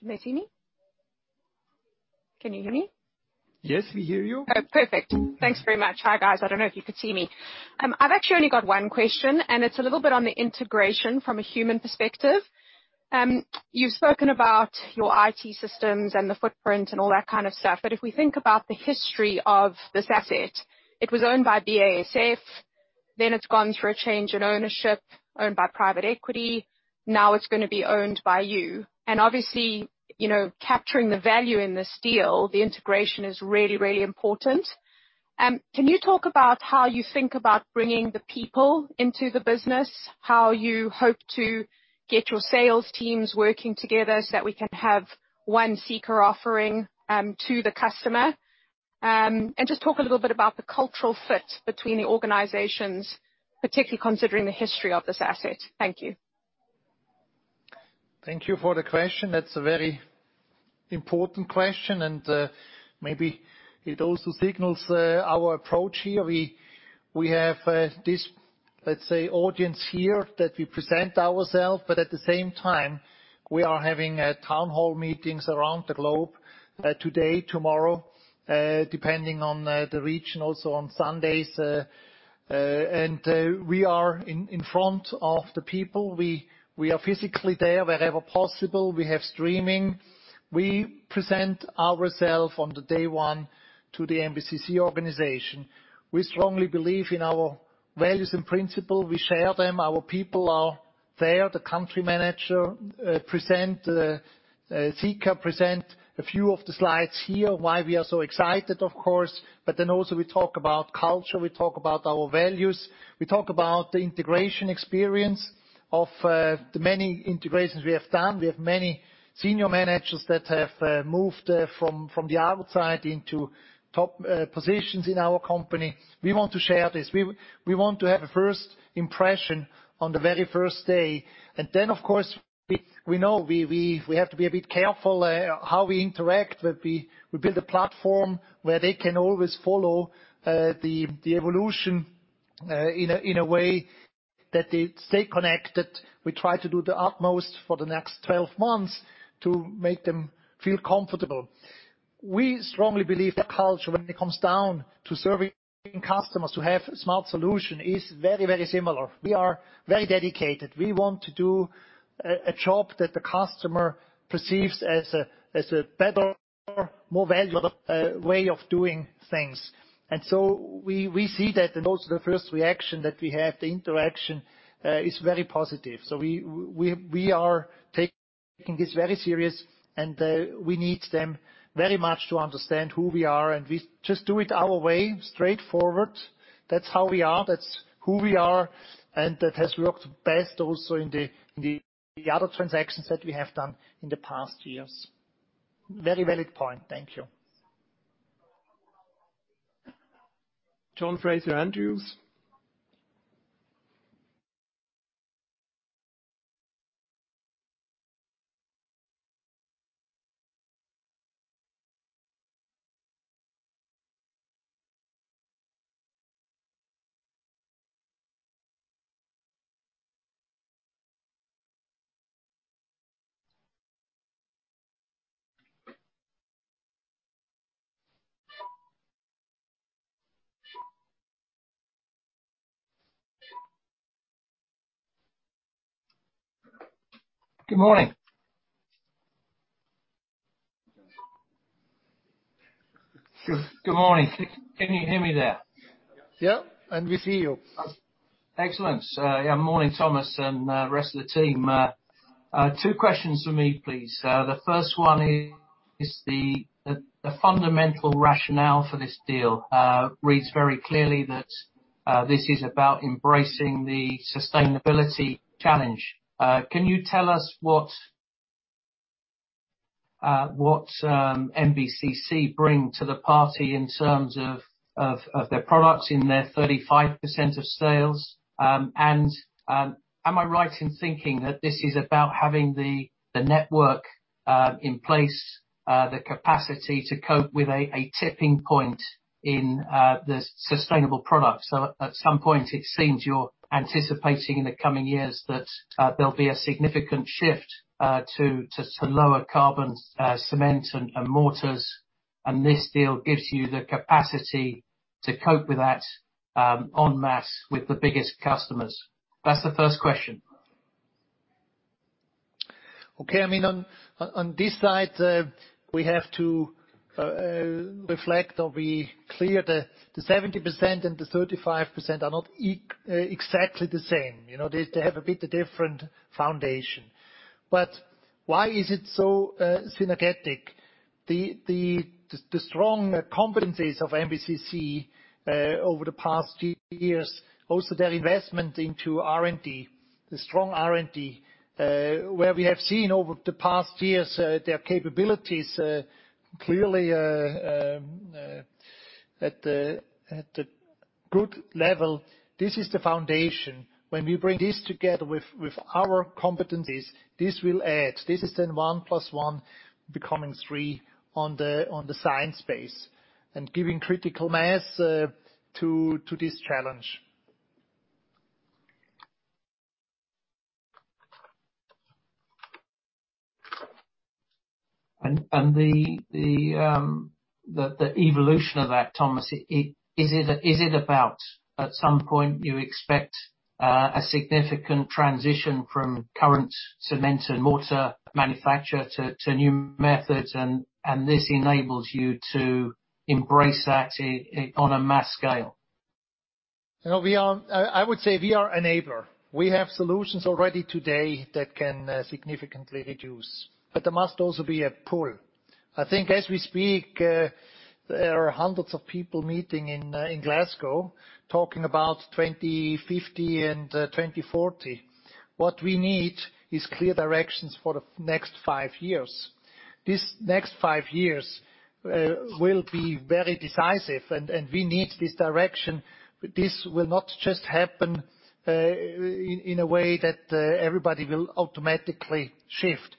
Can you hear me? Can you hear me? Yes, we hear you. Oh, perfect. Thanks very much. Hi, guys. I don't know if you can see me. I've actually only got one question, and it's a little bit on the integration from a human perspective. You've spoken about your IT systems and the footprint and all that kind of stuff. If we think about the history of this asset, it was owned by BASF, then it's gone through a change in ownership, owned by private equity. Now it's gonna be owned by you. Obviously, you know, capturing the value in this deal, the integration is really, really important. Can you talk about how you think about bringing the people into the business, how you hope to get your sales teams working together so that we can have one Sika offering to the customer? Just talk a little bit about the cultural fit between the organizations, particularly considering the history of this asset. Thank you. Thank you for the question. That's a very important question, and, maybe it also signals our approach here. We have this, let's say, audience here that we present ourselves, but at the same time, we are having town hall meetings around the globe, today, tomorrow, depending on the region, also on Sundays. We are in front of the people. We are physically there wherever possible. We have streaming. We present ourselves on the day one to the MBCC organization. We strongly believe in our values and principle. We share them. Our people are there. The country manager present, Sika present a few of the slides here, why we are so excited, of course. Also we talk about culture, we talk about our values, we talk about the integration experience of the many integrations we have done. We have many senior managers that have moved from the outside into top positions in our company. We want to share this. We want to have a first impression on the very first day. Of course, we know we have to be a bit careful how we interact, but we build a platform where they can always follow the evolution in a way that they stay connected. We try to do the utmost for the next 12 months to make them feel comfortable. We strongly believe that culture, when it comes down to serving customers, to have a smart solution, is very, very similar. We are very dedicated. We want to do a job that the customer perceives as a better, more valuable way of doing things. We are taking this very serious, and we need them very much to understand who we are, and we just do it our way, straightforward. That's how we are, that's who we are, and that has worked best also in the other transactions that we have done in the past years. Very valid point. Thank you. John Fraser-Andrews. Good morning. Good morning. Can you hear me there? Yeah, we see you. Excellent. Morning, Thomas, and rest of the team. Two questions from me, please. The first one is the fundamental rationale for this deal reads very clearly that this is about embracing the sustainability challenge. Can you tell us what MBCC bring to the party in terms of their products in their 35% of sales? Am I right in thinking that this is about having the network in place, the capacity to cope with a tipping point in the sustainable products? At some point, it seems you're anticipating in the coming years that there'll be a significant shift to lower carbon cement and mortars, and this deal gives you the capacity to cope with that en masse with the biggest customers. That's the first question. Okay. I mean, on this side, we have to reflect or be clear that the 70% and the 35% are not exactly the same. You know, they have a bit different foundation. Why is it so synergistic? The strong competencies of MBCC over the past years, also their investment into R&D, the strong R&D, where we have seen over the past years, their capabilities clearly at the good level, this is the foundation. When we bring this together with our competencies, this will add. This is then one plus one becoming three on the science space and giving critical mass to this challenge. The evolution of that, Thomas, is it about, at some point, you expect a significant transition from current cement and mortar manufacture to new methods, and this enables you to embrace that on a mass scale? You know, we are. I would say we are enabler. We have solutions already today that can significantly reduce, but there must also be a pull. I think as we speak, there are 100s of people meeting in Glasgow talking about 2050 and 2040. What we need is clear directions for the next five years. This next five years will be very decisive, and we need this direction. This will not just happen in a way that everybody will automatically shift.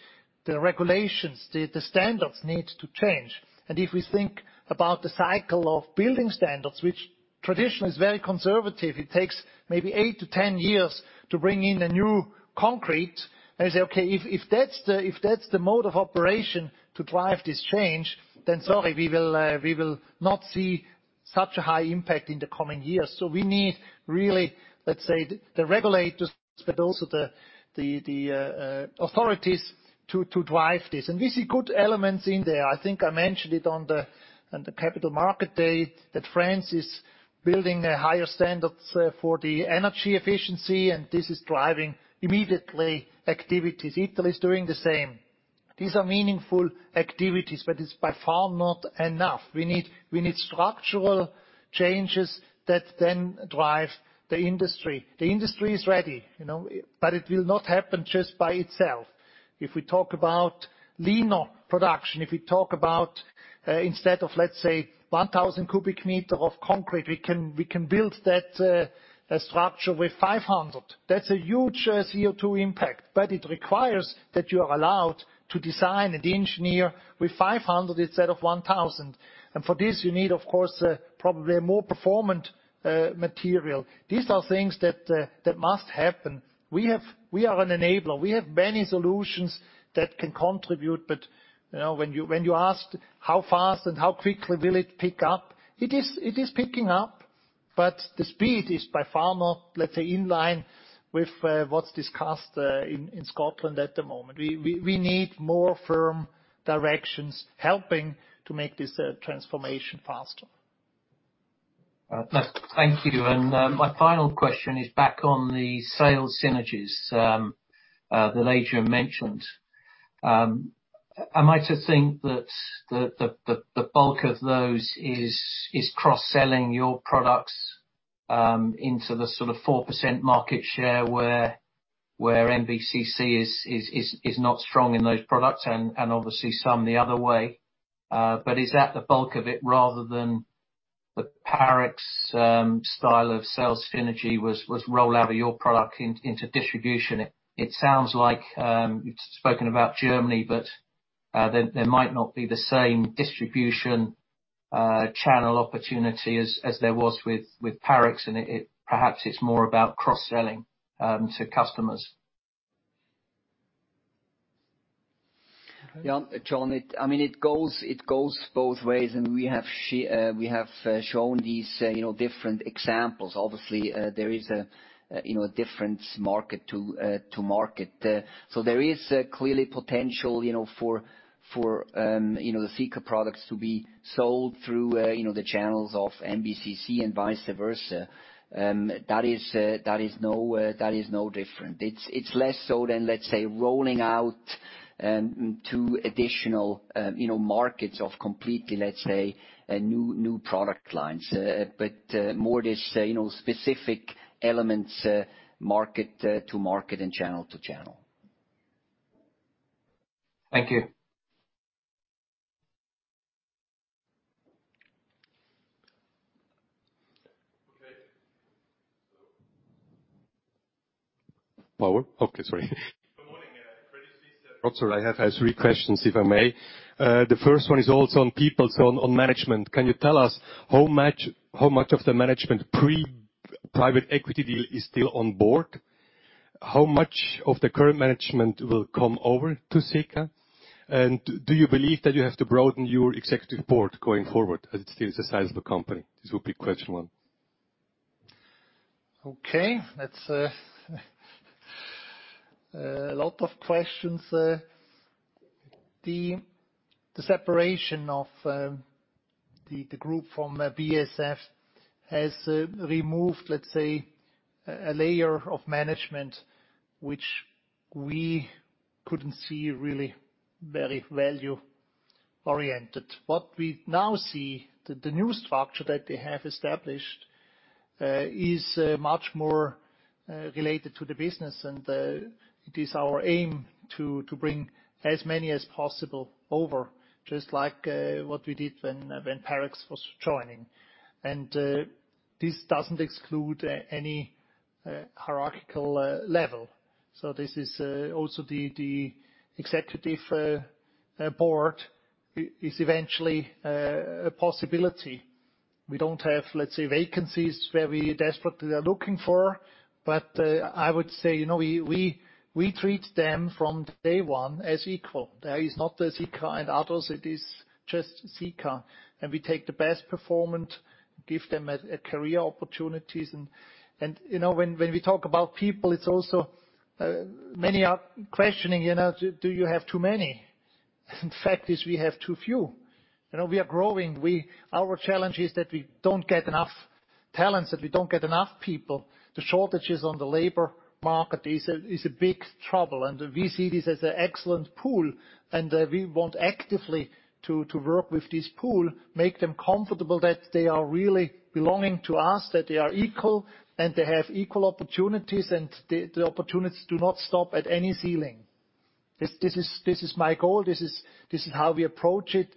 The regulations, the standards need to change. If we think about the cycle of building standards, which traditionally is very conservative, it takes maybe eight to 10 years to bring in a new concrete. You say, okay, if that's the mode of operation to drive this change, then sorry, we will not see such a high impact in the coming years. We need really, let's say, the regulators, but also the authorities to drive this. We see good elements in there. I think I mentioned it on the Capital Markets Day, that France is building a higher standards for the energy efficiency, and this is driving immediately activities. Italy is doing the same. These are meaningful activities, but it's by far not enough. We need structural changes that then drive the industry. The industry is ready, you know, but it will not happen just by itself. If we talk about leaner production, if we talk about instead of, let's say, 1,000 cu m of concrete, we can build that structure with 500. That's a huge CO2 impact, but it requires that you are allowed to design and engineer with 500 instead of 1,000. For this, you need, of course, probably a more performant material. These are things that must happen. We are an enabler. We have many solutions that can contribute, but, you know, when you ask how fast and how quickly will it pick up, it is picking up, but the speed is by far not, let's say, in line with what's discussed in Scotland at the moment. We need more firm directions helping to make this transformation faster. Thank you. My final question is back on the sales synergies that Adrian mentioned. Am I to think that the bulk of those is cross-selling your products into the sort of 4% market share where MBCC is not strong in those products and obviously some the other way? Is that the bulk of it rather than the Parex style of sales synergy was roll out of your product into distribution? It sounds like you've spoken about Germany, but there might not be the same distribution channel opportunity as there was with Parex, and perhaps it's more about cross-selling to customers. Yeah, John, I mean, it goes both ways, and we have shown these, you know, different examples. Obviously, there is, you know, different market to market. So there is clearly potential, you know, for the Sika products to be sold through the channels of MBCC and vice versa. That is no different. It's less so than, let's say, rolling out two additional, you know, markets of completely, let's say, new product lines. But more this, you know, specific elements, market to market and channel to channel. Thank you. Okay. Power? Okay, sorry. Good morning. Fredrik Svendsen, I have to ask three questions, if I may. The first one is also on people, on management. Can you tell us how much of the management pre-private equity deal is still on board? How much of the current management will come over to Sika? And do you believe that you have to broaden your executive board going forward, as it's still the size of the company? This would be question one. Okay. That's a lot of questions. The separation of the group from BASF has removed, let's say, a layer of management which we couldn't see really very value-oriented. What we now see, the new structure that they have established is much more related to the business and it is our aim to bring as many as possible over, just like what we did when Parex was joining. This doesn't exclude any hierarchical level. This is also the Executive Board is eventually a possibility. We don't have, let's say, vacancies where we desperately are looking for. I would say, you know, we treat them from day one as equal. There is not the Sika and others, it is just Sika. We take the best performant, give them career opportunities. You know, when we talk about people, it's also many are questioning, you know, do you have too many? The fact is we have too few. You know, we are growing. Our challenge is that we don't get enough talents, that we don't get enough people. The shortages on the labor market is a big trouble, and we see this as an excellent pool, and we want actively to work with this pool, make them comfortable that they are really belonging to us, that they are equal, and they have equal opportunities and the opportunities do not stop at any ceiling. This is my goal. This is how we approach it.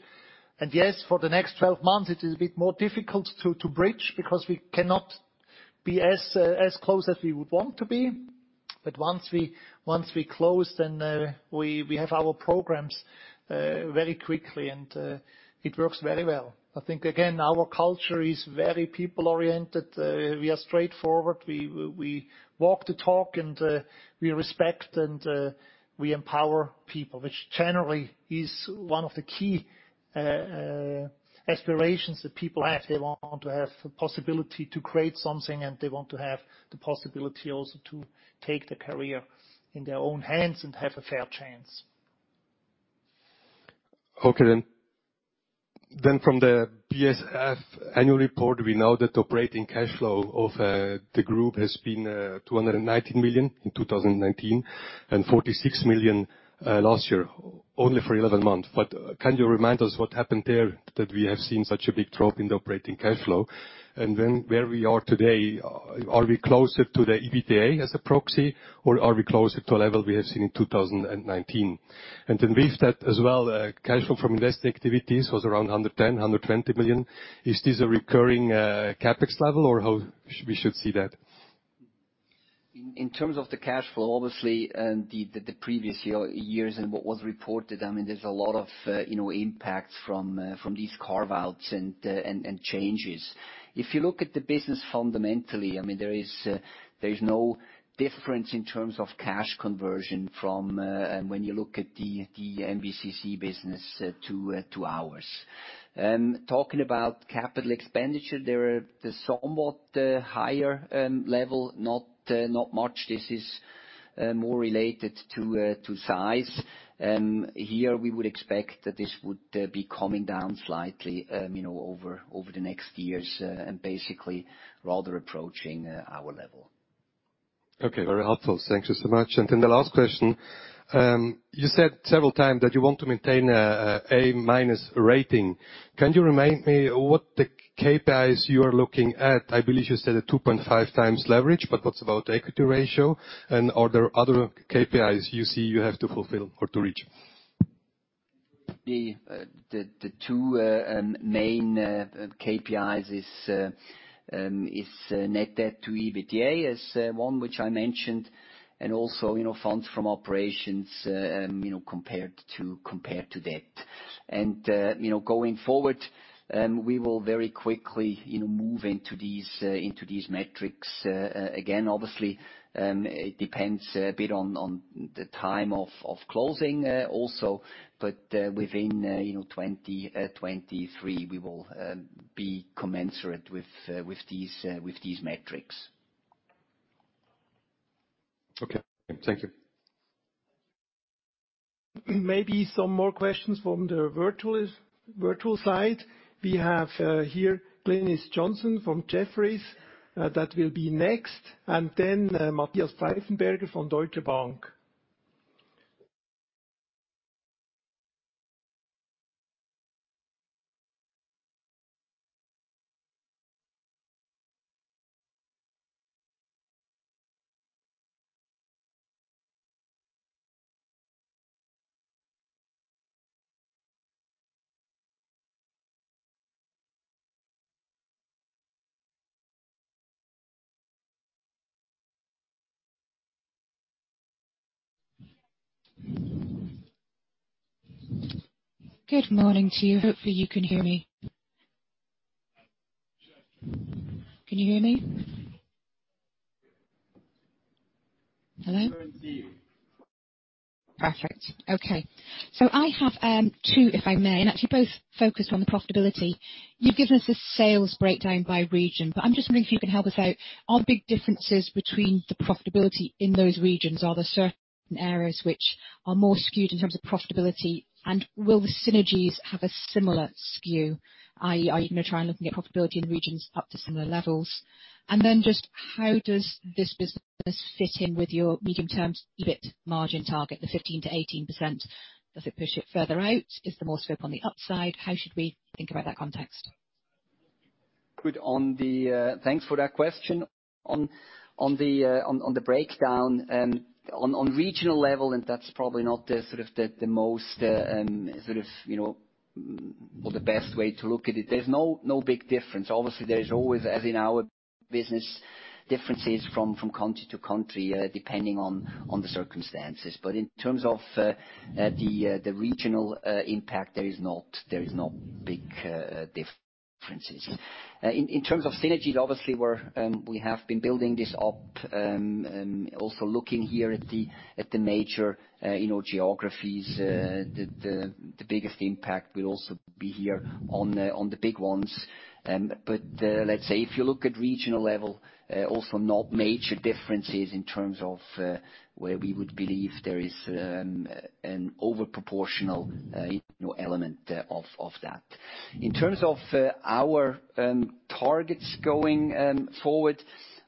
Yes, for the next 12 months, it is a bit more difficult to bridge because we cannot be as close as we would want to be. Once we're close, then we have our programs very quickly and it works very well. I think again, our culture is very people-oriented. We are straightforward. We walk the talk and we respect and we empower people, which generally is one of the key aspirations that people have. They want to have the possibility to create something, and they want to have the possibility also to take their career in their own hands and have a fair chance. Okay. From the BASF annual report, we know that operating cash flow of the group has been 219 million in 2019 and 46 million last year, only for 11 months. Can you remind us what happened there that we have seen such a big drop in the operating cash flow? Where we are today, are we closer to the EBITDA as a proxy or are we closer to a level we have seen in 2019? With that as well, cash flow from investing activities was around 110-120 million. Is this a recurring CapEx level or how we should see that? In terms of the cash flow, obviously, the previous years and what was reported, I mean, there's a lot of, you know, impacts from these carve-outs and changes. If you look at the business fundamentally, I mean, there is no difference in terms of cash conversion from when you look at the MBCC business to ours. Talking about capital expenditure, they're at a somewhat higher level, not much. This is more related to size. Here, we would expect that this would be coming down slightly, you know, over the next years, and basically rather approaching our level. Okay. Very helpful. Thank you so much. The last question. You said several times that you want to maintain A- rating. Can you remind me what the KPIs you are looking at? I believe you said a 2.5x leverage, but what about equity ratio? Are there other KPIs you see you have to fulfill or to reach? The two main KPIs is net debt to EBITDA is one which I mentioned, and also, you know, funds from operations, you know, compared to debt. Going forward, we will very quickly, you know, move into these metrics. Again, obviously, it depends a bit on the time of closing, also, but within 2023 we will be commensurate with these metrics. Okay. Thank you. Maybe some more questions from the virtual side. We have here Glynis Johnson from Jefferies that will be next, and then Matthias Pfeifenberger from Deutsche Bank. Good morning to you. Hopefully you can hear me. Can you hear me? Hello? I can hear you. Perfect. Okay. I have two, if I may, and actually both focused on the profitability. You've given us the sales breakdown by region, but I'm just wondering if you can help us out. Are the big differences between the profitability in those regions, are there certain areas which are more skewed in terms of profitability? And will the synergies have a similar skew, i.e. are you gonna try and looking at profitability in regions up to similar levels? And then just how does this business fit in with your medium-term EBIT margin target, the 15%-18%? Does it push it further out? Is there more scope on the upside? How should we think about that context? Good. Thanks for that question. On the breakdown on regional level, and that's probably not the sort of the most sort of, you know, or the best way to look at it. There's no big difference. Obviously, there is always, as in our business, differences from country to country, depending on the circumstances. In terms of the regional impact, there is no big differences. In terms of synergies, obviously we have been building this up, also looking here at the major, you know, geographies. The biggest impact will also be here on the big ones. Let's say if you look at regional level, also not major differences in terms of where we would believe there is an overproportional, you know, element of that. In terms of our targets going forward,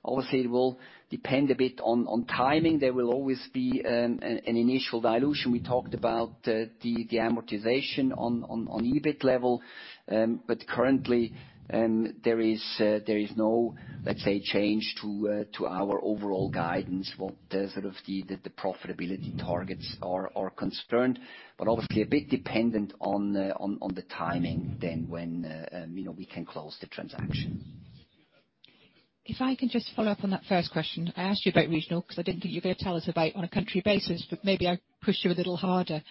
obviously it will depend a bit on timing. There will always be an initial dilution. We talked about the amortization on EBIT level. Currently, there is no, let's say, change to our overall guidance, what sort of the profitability targets are concerned, but obviously a bit dependent on the timing when you know we can close the transaction. If I can just follow up on that first question. I asked you about regional 'cause I didn't think you were gonna tell us about on a country basis, but maybe I pushed you a little harder.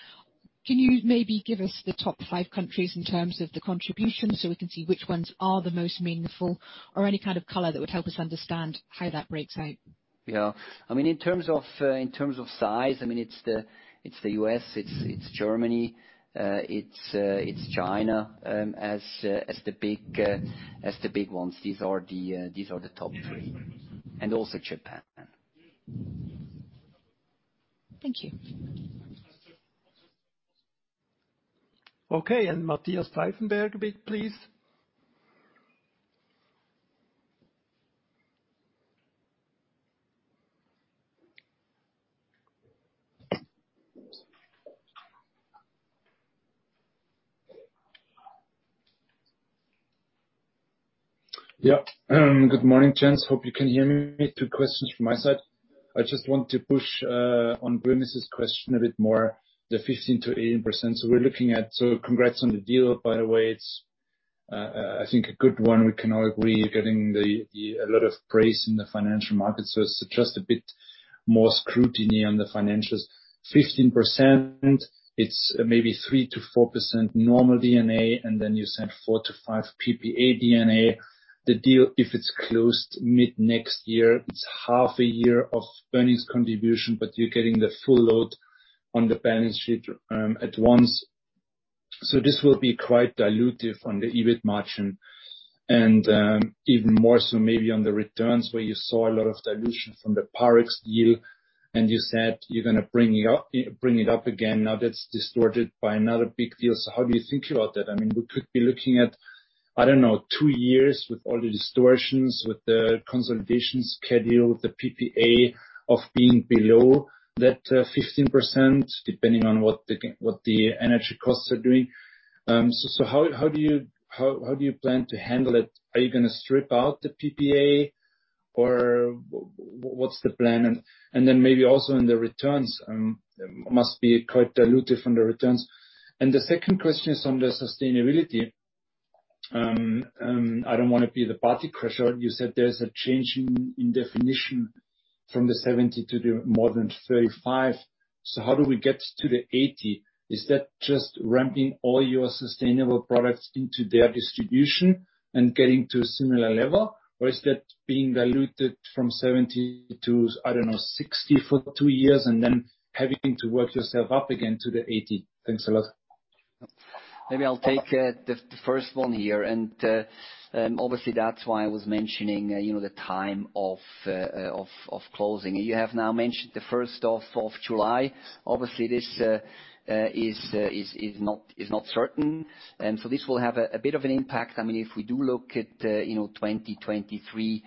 Can you maybe give us the top five countries in terms of the contribution so we can see which ones are the most meaningful or any kind of color that would help us understand how that breaks out? Yeah. I mean, in terms of size, I mean, it's the U.S., it's Germany, it's China, as the big ones. These are the top three. Also Japan. Thank you. Okay, Matthias Pfeifenberger please. Yeah. Good morning, gents. Hope you can hear me. Two questions from my side. I just want to push on Glynis' question a bit more, the 15%-18%. Congrats on the deal, by the way. It's, I think, a good one. We can all agree you're getting a lot of praise in the financial markets. Just a bit more scrutiny on the financials. 15%, it's maybe 3%-4% normal D&A, and then you said 4%-5% PPA D&A. The deal, if it's closed mid-next year, it's half a year of earnings contribution, but you're getting the full load on the balance sheet at once. This will be quite dilutive on the EBIT margin, and even more so maybe on the returns where you saw a lot of dilution from the Parex deal, and you said you're gonna bring it up, bring it up again. Now that's distorted by another big deal. How do you think about that? I mean, we could be looking at, I don't know, two years with all the distortions, with the consolidation schedule, with the PPA of being below that 15%, depending on what the energy costs are doing. How do you plan to handle it? Are you gonna strip out the PPA or what's the plan? Then maybe also in the returns must be quite dilutive on the returns. The second question is on the sustainability. I don't wanna be the party crusher. You said there's a change in definition from the 70% to more than 35%. So how do we get to the 80%? Is that just ramping all your sustainable products into their distribution and getting to a similar level? Or is that being diluted from 70% to, I don't know, 60% for two years and then having to work yourself up again to the 80%? Thanks a lot. Maybe I'll take the first one here. Obviously, that's why I was mentioning, you know, the time of closing. You have now mentioned the first of July. Obviously, this is not certain. This will have a bit of an impact. I mean, if we do look at 2023,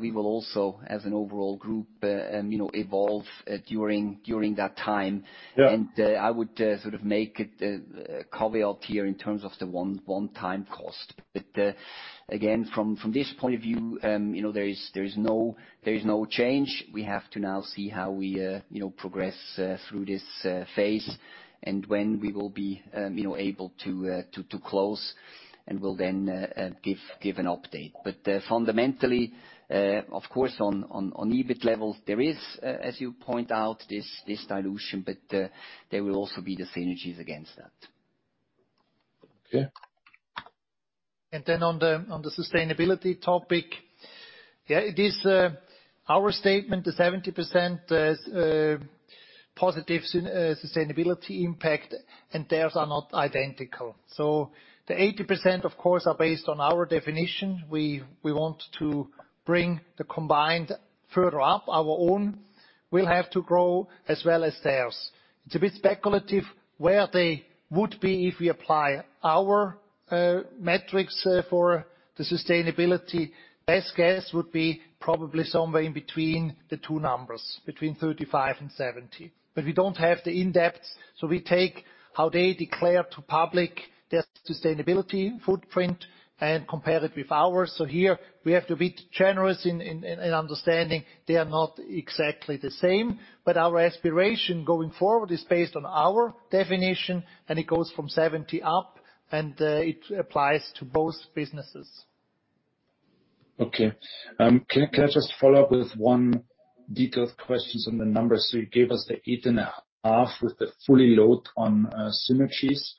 we will also, as an overall group, evolve during that time. Yeah. I would sort of make it a caveat here in terms of the one-time cost. Again, from this point of view, you know, there is no change. We have to now see how we, you know, progress through this phase and when we will be, you know, able to close, and we'll then give an update. Fundamentally, of course, on EBIT levels, there is, as you point out, this dilution, but there will also be the synergies against that. Okay. On the sustainability topic, it is our statement, the 70%, positive sustainability impact and theirs are not identical. The 80%, of course, are based on our definition. We want to bring the combined further up. Our own will have to grow as well as theirs. It is a bit speculative where they would be if we apply our metrics for the sustainability. Best guess would be probably somewhere in between the two numbers, between 35% and 70%. We do not have the in-depth, so we take how they declare to public their sustainability footprint and compare it with ours. Here we have to be generous in understanding they are not exactly the same. Our aspiration going forward is based on our definition, and it goes from 70 up, and it applies to both businesses. Okay. Can I just follow up with one detailed question on the numbers? You gave us the 8.5x with the fully loaded synergies,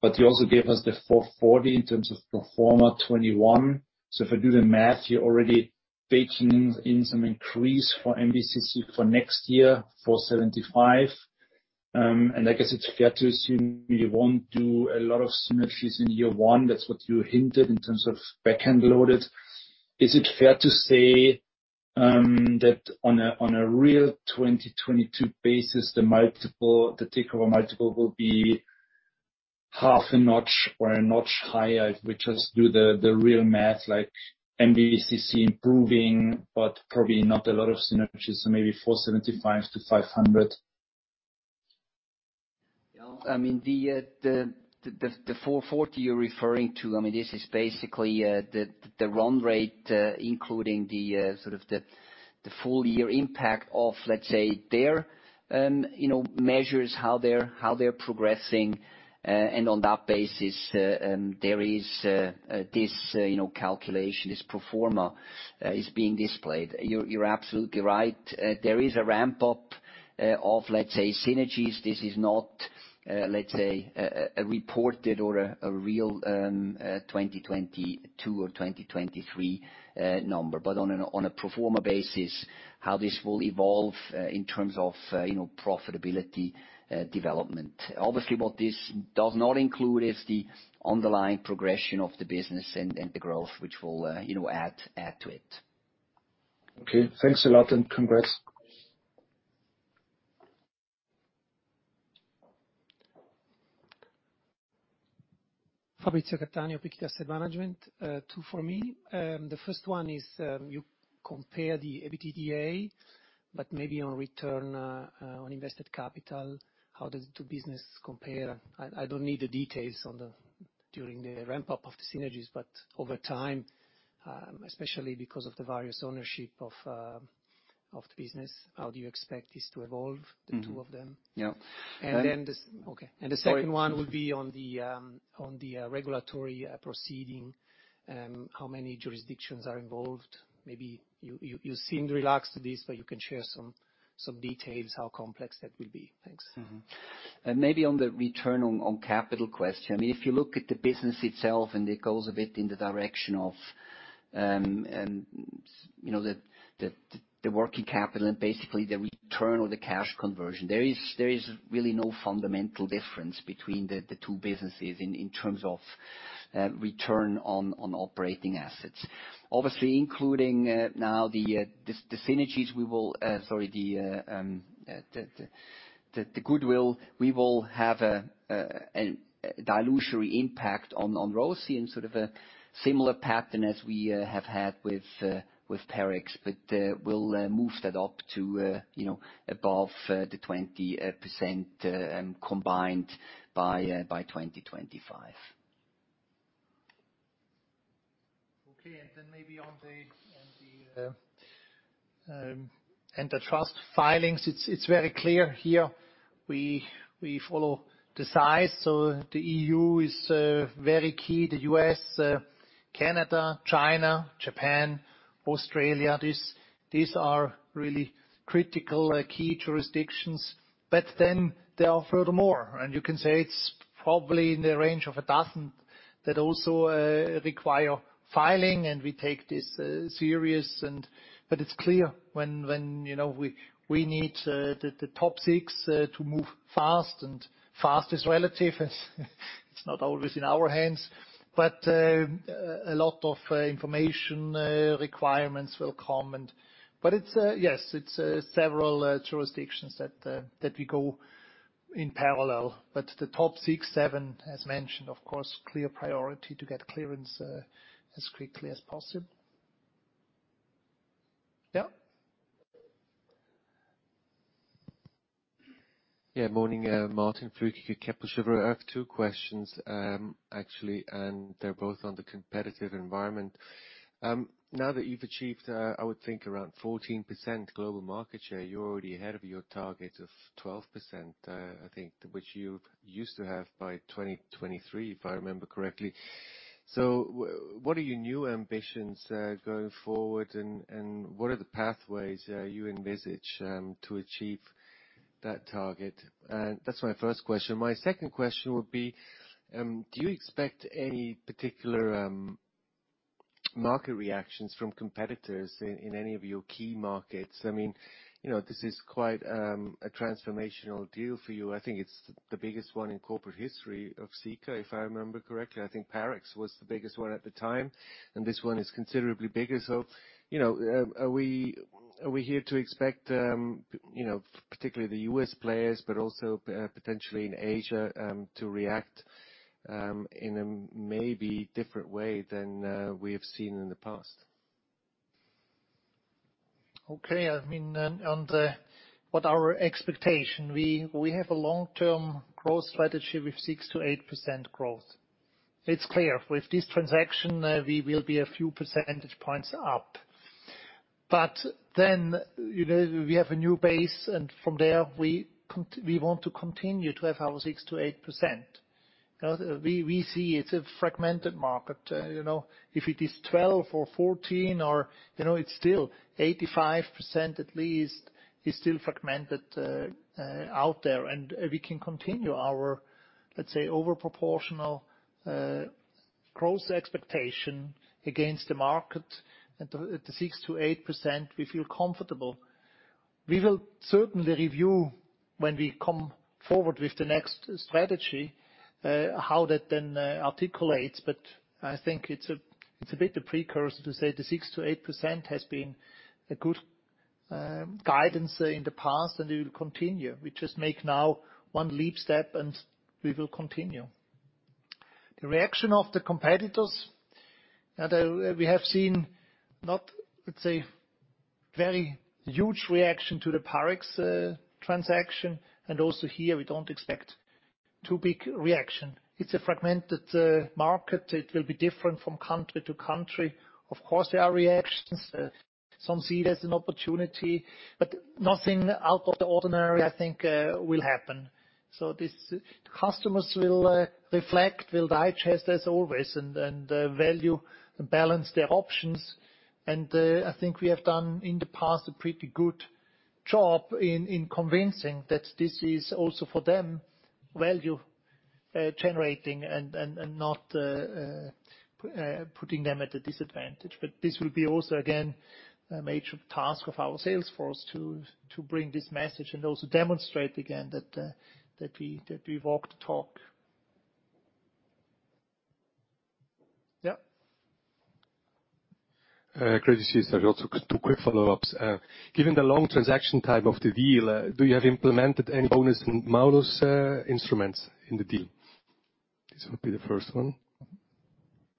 but you also gave us the 440 in terms of pro forma 2021. If I do the math, you are already baking in some increase for MBCC for next year, 475. I guess it is fair to assume you will not do a lot of synergies in year one. That is what you hinted in terms of back-end loaded. Is it fair to say that on a real 2022 basis, the multiple, the takeover multiple will be half a notch or a notch higher? If we just do the real math, like MBCC improving but probably not a lot of synergies, so maybe 475-500. Yeah. I mean, the 440 you're referring to, I mean, this is basically the run rate including the sort of the full year impact of, let's say, their you know measures, how they're progressing. On that basis, there is this you know calculation, this pro forma is being displayed. You're absolutely right. There is a ramp up of, let's say, synergies. This is not, let's say, a reported or a real 2022 or 2023 number. On a pro forma basis, how this will evolve in terms of you know profitability development. Obviously, what this does not include is the underlying progression of the business and the growth, which will, you know, add to it. Okay. Thanks a lot, and congrats. Fabrizio Cattaneo, Pictet Asset Management. Two for me. The first one is, you compare the EBITDA, but maybe on return on invested capital, how does the two business compare? I don't need the details during the ramp up of the synergies, but over time, especially because of the various ownership of the business, how do you expect this to evolve- Mm. the two of them? Yeah. Okay. Sorry. The second one will be on the regulatory proceeding, how many jurisdictions are involved? Maybe you seem relaxed to this, but you can share some details how complex that will be. Thanks. Maybe on the return on capital question. I mean, if you look at the business itself, and it goes a bit in the direction of, you know, the working capital and basically the return or the cash conversion, there is really no fundamental difference between the two businesses in terms of return on operating assets. Obviously, including now the goodwill, we will have a dilutive impact on ROIC in sort of a similar pattern as we have had with Parex, but we'll move that up to, you know, above the 20% combined by 2025. Maybe on the antitrust filings, it's very clear here we follow the size. The E.U. is very key. The U.S., Canada, China, Japan, Australia, these are really critical key jurisdictions. There are furthermore, and you can say it's probably in the range of a dozen that also require filing, and we take this seriously. It's clear when you know, we need the top six to move fast, and fast is relative. It's not always in our hands. A lot of information requirements will come. Yes, it's several jurisdictions that we go in parallel. The top six, seven, as mentioned, of course, clear priority to get clearance as quickly as possible. Yeah? Yeah, morning. Martin Flueckiger, Kepler Cheuvreux. I have two questions, actually, and they're both on the competitive environment. Now that you've achieved, I would think around 14% global market share, you're already ahead of your target of 12%, I think, which you used to have by 2023, if I remember correctly. What are your new ambitions going forward, and what are the pathways you envisage to achieve that target? And that's my first question. My second question would be, do you expect any particular market reactions from competitors in any of your key markets? I mean, you know, this is quite a transformational deal for you. I think it's the biggest one in corporate history of Sika, if I remember correctly. I think Parex was the biggest one at the time, and this one is considerably bigger. You know, are we here to expect, you know, particularly the U.S. players, but also potentially in Asia, to react in a maybe different way than we have seen in the past? We have a long-term growth strategy with 6%-8% growth. It's clear, with this transaction, we will be a few percentage points up. Then, you know, we have a new base, and from there we want to continue to have our 6%-8%. You know, we see it's a fragmented market. You know, if it is 12% or 14% or. It's still 85% at least is still fragmented out there. We can continue our, let's say, over proportional growth expectation against the market. At the 6%-8%, we feel comfortable. We will certainly review when we come forward with the next strategy, how that then articulates. I think it's a bit of a precursor to say the 6%-8% has been a good guidance in the past, and it will continue. We just make now one leap step, and we will continue. The reaction of the competitors. Now, we have not seen, let's say, very huge reaction to the Parex transaction, and also here we don't expect too big reaction. It's a fragmented market. It will be different from country to country. Of course, there are reactions. Some see it as an opportunity, but nothing out of the ordinary, I think, will happen. Customers will reflect, will digest, as always, and value and balance their options. I think we have done in the past a pretty good job in convincing that this is also for them value generating and not putting them at a disadvantage. This will be also again a major task of our sales force to bring this message and also demonstrate again that we walk the talk. Yeah. Great to see you, Sir. Also two quick follow-ups. Given the long transaction time of the deal, do you have implemented any bonus and malus instruments in the deal? This would be the first one.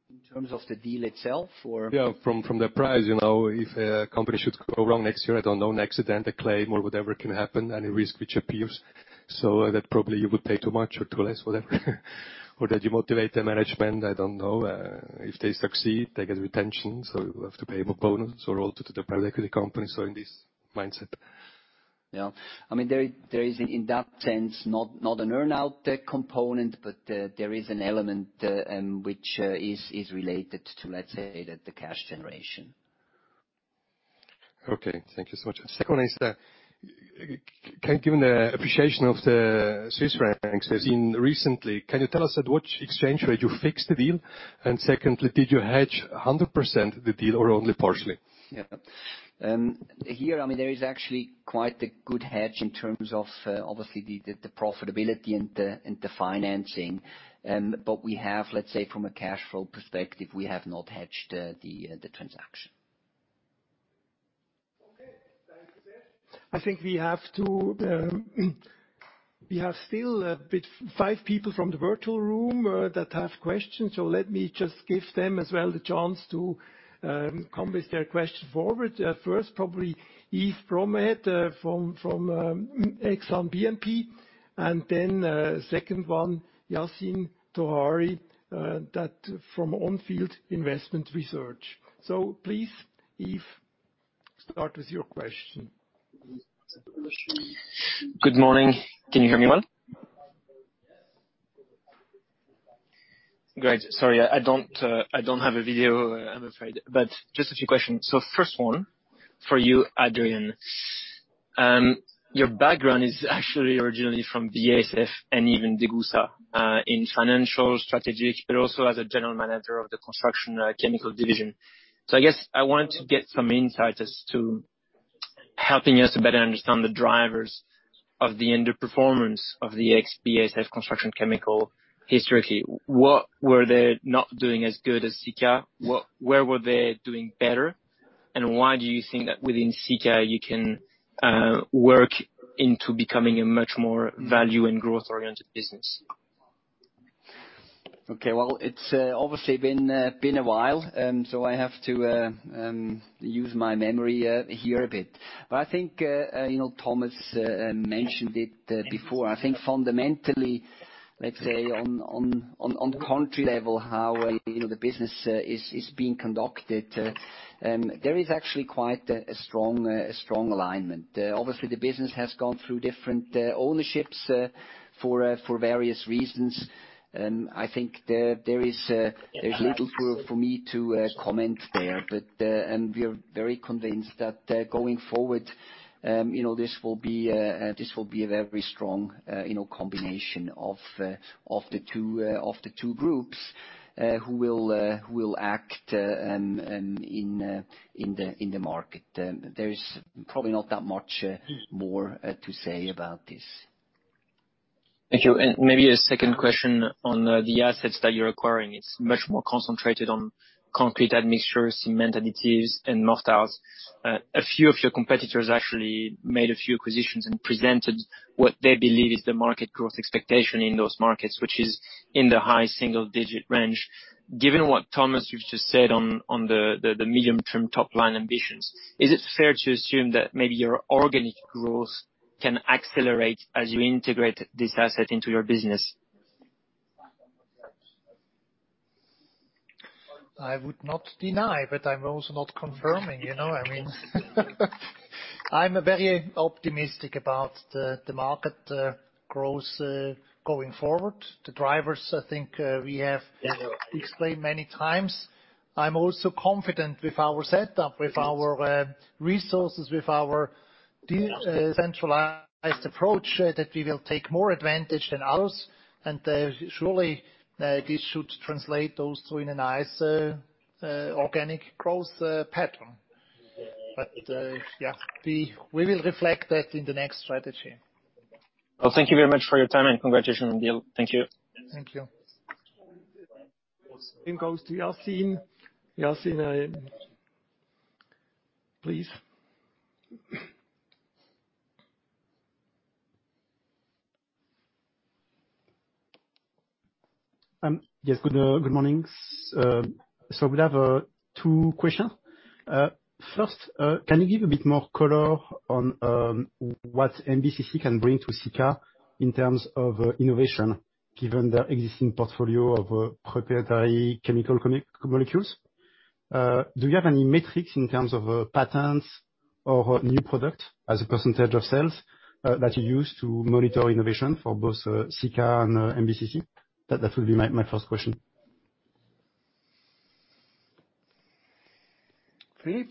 In terms of the deal itself. Yeah, from the price, you know. If a company should go wrong next year, I don't know, an accident, a claim or whatever can happen, any risk which appears. That probably you would pay too much or too less, whatever. That you motivate the management, I don't know. If they succeed, they get retention, so you have to pay more bonus or also to the private equity company. In this mindset. Yeah. I mean, there is in that sense not an earn-out component, but there is an element which is related to, let's say, the cash generation. Okay, thank you so much. Second is that, given the appreciation of the Swiss francs as of recently, can you tell us at which exchange rate you fixed the deal? And secondly, did you hedge 100% the deal or only partially? Yeah. I mean, there is actually quite a good hedge in terms of, obviously, the profitability and the financing. But we have, let's say, from a cash flow perspective, we have not hedged the transaction. Okay. Thank you, Seth. I think we have to. We have still five people from the virtual room that have questions, so let me just give them as well the chance to come with their question forward. First, probably Yves Bromehead from Exane BNP, and then second one, Yassine Touahri from On Field Investment Research. Please, Yves. Start with your question. Good morning. Can you hear me well? Great. Sorry, I don't have a video, I'm afraid. But just a few questions. First one for you, Adrian. Your background is actually originally from BASF and even Degussa, in financial, strategic, but also as a general manager of the construction chemical division. I guess I want to get some insight as to helping us better understand the drivers of the underperformance of the ex-BASF construction chemical historically. What were they not doing as good as Sika? Where were they doing better? Why do you think that within Sika you can work into becoming a much more value and growth-oriented business? Okay, well, it's obviously been a while, so I have to use my memory here a bit. I think you know, Thomas mentioned it before. I think fundamentally, let's say on country level, how you know the business is being conducted, there is actually quite a strong alignment. Obviously the business has gone through different ownerships for various reasons. I think there is little for me to comment there. We are very convinced that, going forward, you know, this will be a very strong, you know, combination of the two groups who will act in the market. There's probably not that much more to say about this. Thank you. Maybe a second question on the assets that you're acquiring. It's much more concentrated on concrete admixtures, cement additives and mortars. A few of your competitors actually made a few acquisitions and presented what they believe is the market growth expectation in those markets, which is in the high single digit range. Given what Thomas, you've just said on the medium term top line ambitions, is it fair to assume that maybe your organic growth can accelerate as you integrate this asset into your business? I would not deny, but I'm also not confirming, you know what I mean? I'm very optimistic about the market growth going forward. The drivers, I think, we have explained many times. I'm also confident with our setup, with our resources, with our decentralized approach, that we will take more advantage than others. Surely, this should translate also in a nice organic growth pattern. Yeah, we will reflect that in the next strategy. Well, thank you very much for your time, and congratulations on the deal. Thank you. Thank you. It goes to Yassine. Yassine, please. Yes. Good morning. We'll have two questions. First, can you give a bit more color on what MBCC can bring to Sika in terms of innovation, given their existing portfolio of proprietary comb molecules? Do you have any metrics in terms of patents or new product as a percentage of sales that you use to monitor innovation for both Sika and MBCC? That will be my first question. Philippe?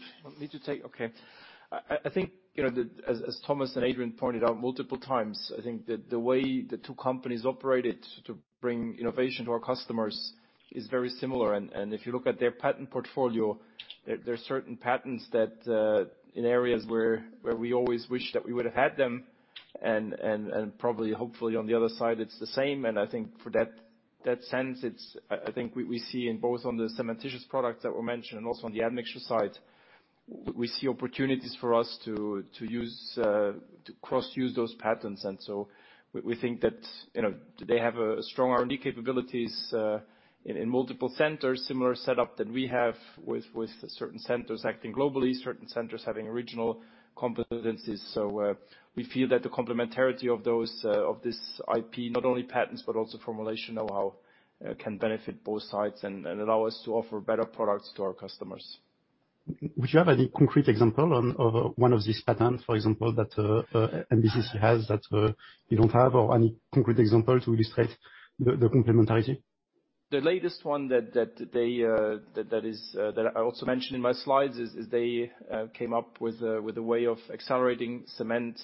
I think, you know, as Thomas and Adrian pointed out multiple times, I think the way the two companies operated to bring innovation to our customers is very similar. If you look at their patent portfolio, there are certain patents in areas where we always wish that we would have had them. Probably, hopefully, on the other side it's the same. I think for that sense, it's I think we see in both on the cementitious products that were mentioned and also on the admixture side, we see opportunities for us to use to cross-use those patents. We think that, you know, they have a strong R&D capabilities in multiple centers, similar setup that we have with certain centers acting globally, certain centers having regional competencies. We feel that the complementarity of those of this IP, not only patents, but also formulation know-how, can benefit both sides and allow us to offer better products to our customers. Would you have any concrete example on, of one of these patents, for example, that MBCC has that you don't have, or any concrete example to illustrate the complementarity? The latest one that they is that I also mentioned in my slides is they came up with a way of accelerating cement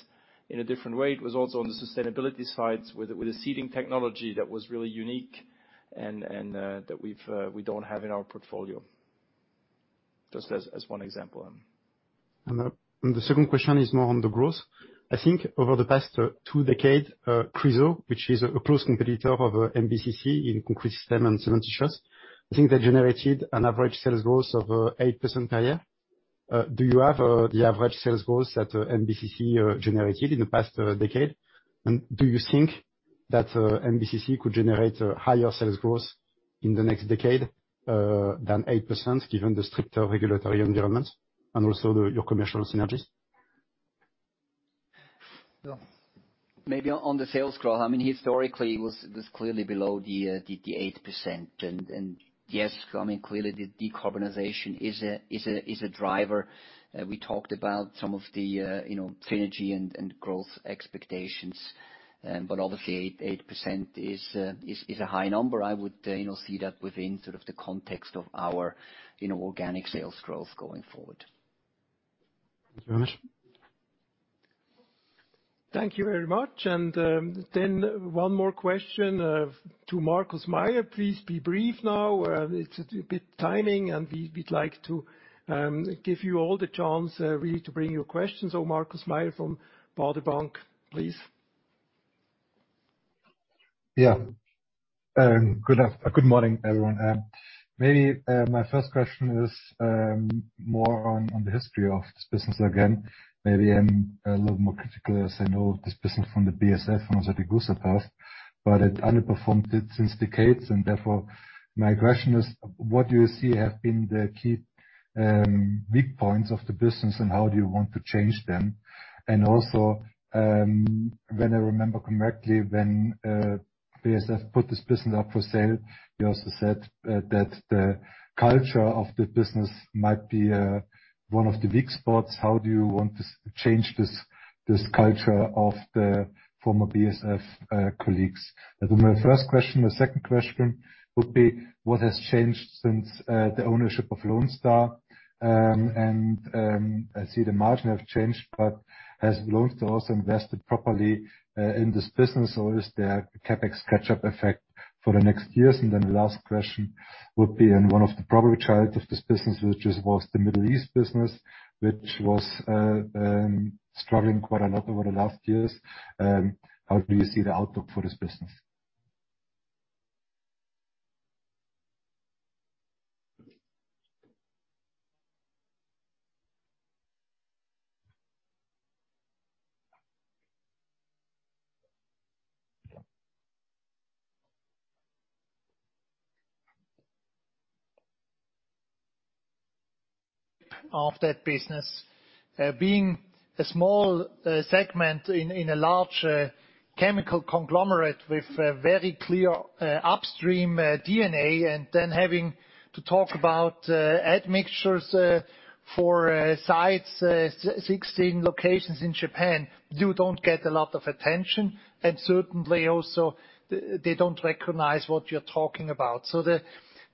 in a different way. It was also on the sustainability side with a seeding technology that was really unique and that we don't have in our portfolio. Just as one example. The second question is more on the growth. I think over the past two decades, Chryso, which is a close competitor of MBCC in concrete system and cementitious, I think they generated an average sales growth of 8% per year. Do you have the average sales growth that MBCC generated in the past decade? Do you think that MBCC could generate a higher sales growth in the next decade than 8%, given the stricter regulatory environment and also your commercial synergies? Maybe on the sales growth. I mean, historically it was clearly below the 8%. Yes, I mean, clearly the decarbonization is a driver. We talked about some of the, you know, synergy and growth expectations. Obviously 8% is a high number. I would, you know, see that within sort of the context of our, you know, organic sales growth going forward. Thank you very much. Thank you very much. One more question to Markus Mayer. Please be brief now. It's a bit tight on time, and we'd like to give you all the chance really to bring your questions. Markus Mayer from Baader Bank, please. Yeah. Good morning, everyone. Maybe my first question is more on the history of this business again. Maybe I'm a little more critical, as I know this business from the BASF and from the Degussa past, but it underperformed it since decades. Therefore, my question is, what do you see have been the key weak points of the business, and how do you want to change them? Also, when I remember correctly, when BASF put this business up for sale, you also said that the culture of the business might be one of the weak spots. How do you want to change this culture of the former BASF colleagues? That was my first question. The second question would be, what has changed since the ownership of Lone Star? I see the margin have changed, but has Lone Star also invested properly in this business, or is there a CapEx catch-up effect for the next years? Then the last question would be in one of the problem child of this business, which was the Middle East business, which was struggling quite a lot over the last years. How do you see the outlook for this business? Of that business. Being a small segment in a large chemical conglomerate with a very clear upstream D&A, and then having to talk about admixtures for sites, sixteen locations in Japan, you don't get a lot of attention. Certainly also, they don't recognize what you're talking about.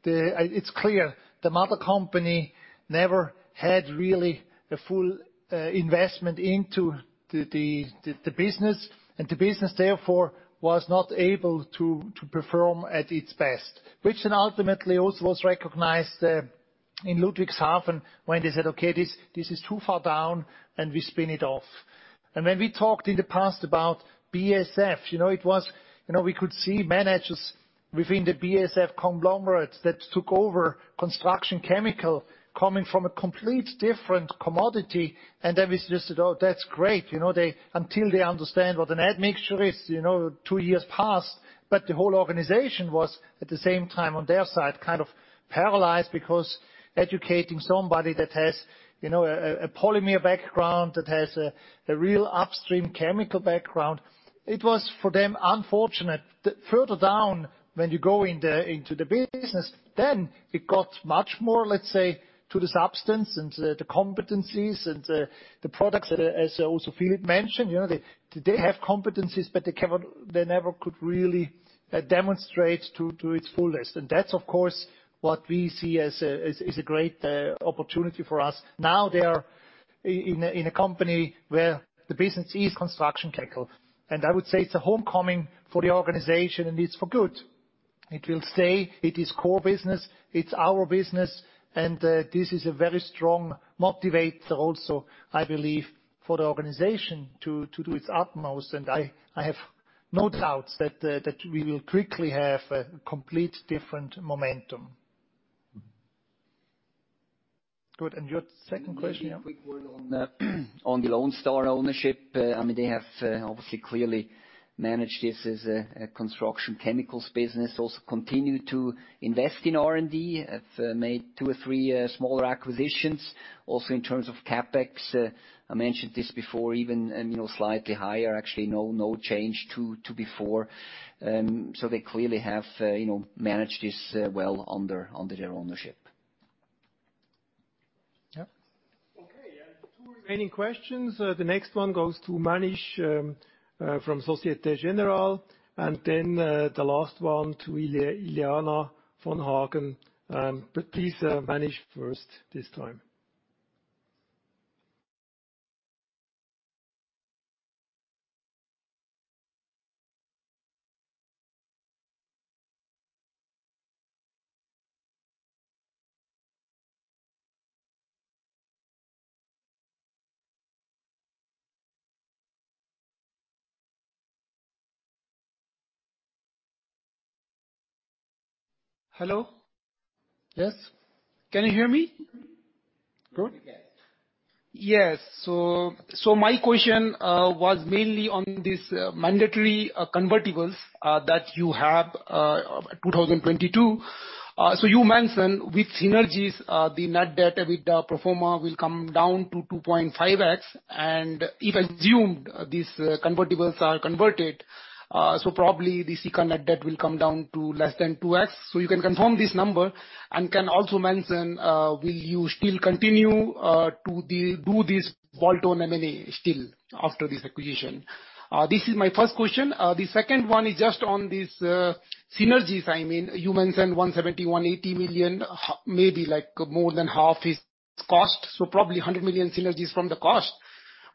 It's clear the mother company never had really the full investment into the business. The business, therefore, was not able to perform at its best, which then ultimately also was recognized in Ludwigshafen when they said, "Okay, this is too far down, and we spin it off." When we talked in the past about BASF, you know, it was. You know, we could see managers within the BASF conglomerates that took over construction chemicals coming from a completely different commodity. Then we just said, "Oh, that's great." You know, until they understand what an admixture is, you know, two years passed. The whole organization was, at the same time, on their side, kind of paralyzed because educating somebody that has, you know, a polymer background, that has a real upstream chemical background. It was, for them, unfortunate. Further down, when you go into the business, then it got much more, let's say, to the substance and the competencies and the products, as also Philippe mentioned. You know, they have competencies, but they never could really demonstrate to its fullest. That's, of course, what we see as a great opportunity for us. Now they are in a company where the business is construction chemical. I would say it's a homecoming for the organization, and it's for good. It will stay. It is core business. It's our business. This is a very strong motivator also, I believe, for the organization to do its utmost. I have no doubts that we will quickly have a completely different momentum. Good. Your second question? Maybe a quick word on the Lone Star ownership. I mean, they have obviously clearly managed this as a construction chemicals business. Also continue to invest in R&D. Made two or three smaller acquisitions. Also, in terms of CapEx, I mentioned this before even, you know, slightly higher. Actually no change to before. So they clearly have you know managed this well under their ownership. Yeah. Okay. Two remaining questions. The next one goes to Manish from Société Générale, and then the last one to Ileana Van Hagen. Please, Manish first this time. Hello? Yes. Can you hear me? Good. Yes. Yes. My question was mainly on this mandatory convertibles that you have 2022. You mentioned with synergies the net debt with the pro forma will come down to 2.5x. If assumed these convertibles are converted, probably this economic debt will come down to less than 2x. You can confirm this number and can also mention, will you still continue to do this bolt-on M&A still after this acquisition? This is my first question. The second one is just on this synergies. I mean, you mentioned 170 milllion-CHF 180 million, maybe like more than half is cost, so probably 100 million synergies from the cost.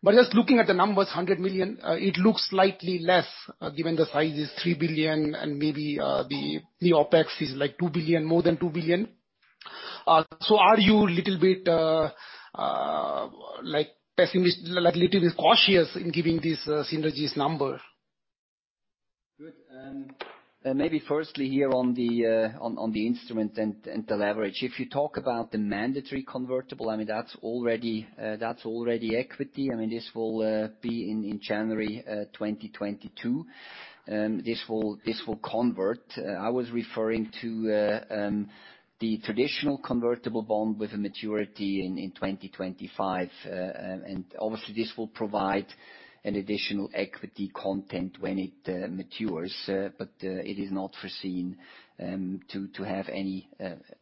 Just looking at the numbers, 100 million, it looks slightly less given the size is 3 billion and maybe the OpEx is like 2 billion, more than 2 billion. Are you a little bit cautious in giving this synergies number? Good. Maybe firstly here on the instrument and the leverage. If you talk about the mandatory convertible, I mean, that's already equity. I mean, this will be in January 2022. This will convert. I was referring to the traditional convertible bond with a maturity in 2025. And obviously this will provide an additional equity content when it matures. But it is not foreseen to have any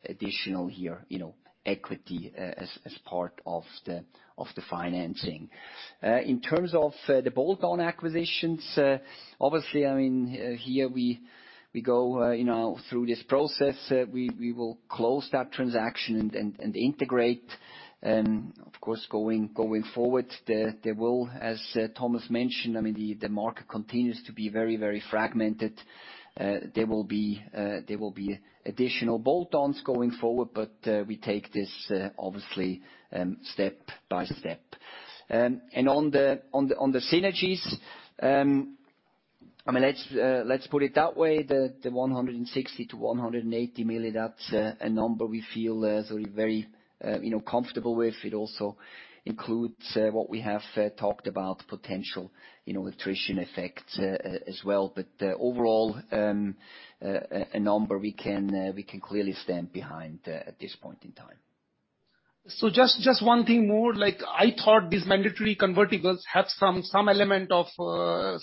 additional here, you know, equity as part of the financing. In terms of the bolt-on acquisitions, obviously, I mean, here we go, you know, through this process, we will close that transaction and integrate. Of course, going forward, as Thomas mentioned, I mean, the market continues to be very fragmented. There will be additional bolt-ons going forward, but we take this obviously step by step. On the synergies, I mean, let's put it that way, the 160 million-180 million, that's a number we feel sort of very, you know, comfortable with. It also includes what we have talked about, potential, you know, attrition effect as well. Overall, a number we can clearly stand behind at this point in time. Just one thing more. Like, I thought these mandatory convertibles have some element of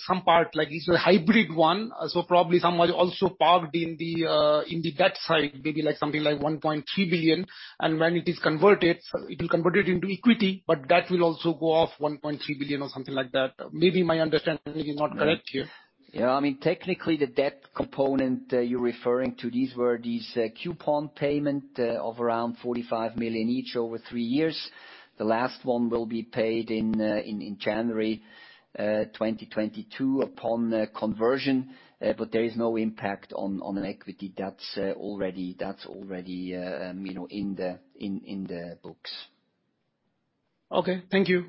some part, like it's a hybrid one, so probably some are also parked in the debt side, maybe like something like 1.3 billion. When it is converted, it will convert it into equity, but that will also go off 1.3 billion or something like that. Maybe my understanding is not correct here. Yeah. I mean, technically the debt component you're referring to, these were coupon payments of around 45 million each over three years. The last one will be paid in January 2022 upon conversion. But there is no impact on an equity that's already, you know, in the books. Okay. Thank you.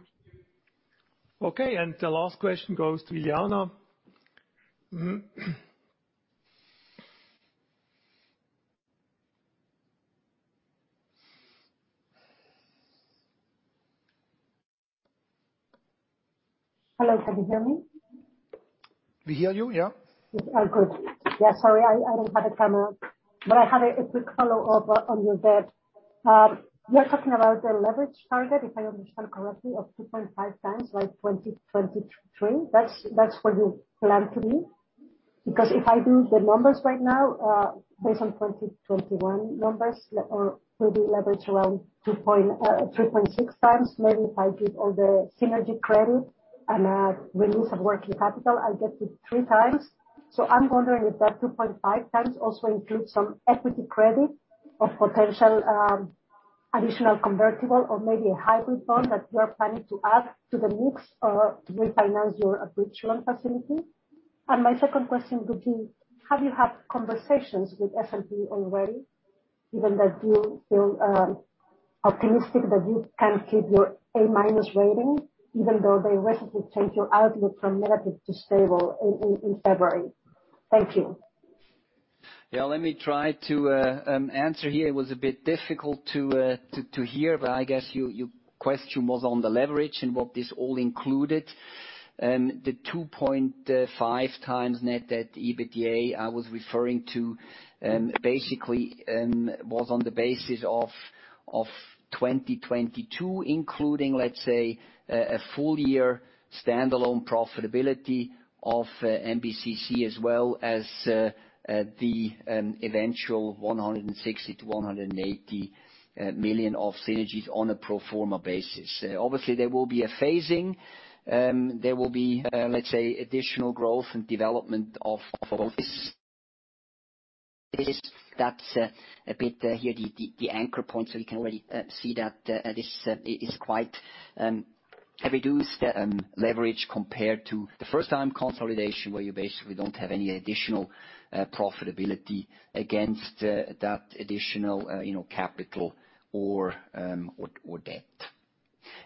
Okay. The last question goes to Ileana. Mm-hmm. Hello, can you hear me? We hear you, yeah. Oh, good. Yeah, sorry, I don't have a camera. But I had a quick follow-up on your debt. You're talking about the leverage target, if I understand correctly, of 2.5x by 2023. That's where you plan to be? Because if I do the numbers right now, based on 2021 numbers or will be leverage around 2.36x. Maybe if I give all the synergy credit and a release of working capital, I get to 3x. I'm wondering if that 2.5x also includes some equity credit or potential additional convertible or maybe a hybrid bond that you are planning to add to the mix or to refinance your bridge loan facility. My second question would be, have you had conversations with S&P already, given that you feel optimistic that you can keep your A- rating even though they recently changed your outlook from negative to stable in February? Thank you. Yeah, let me try to answer here. It was a bit difficult to hear, but I guess your question was on the leverage and what this all included. The 2.5x net debt to EBITDA I was referring to, basically, was on the basis of 2022, including, let's say, a full year standalone profitability of MBCC as well as the eventual 160 million-180 million of synergies on a pro forma basis. Obviously, there will be a phasing. There will be, let's say, additional growth and development of this. This, that's the anchor point. You can already see that this is quite a reduced leverage compared to the first time consolidation, where you basically don't have any additional profitability against that additional you know capital or debt.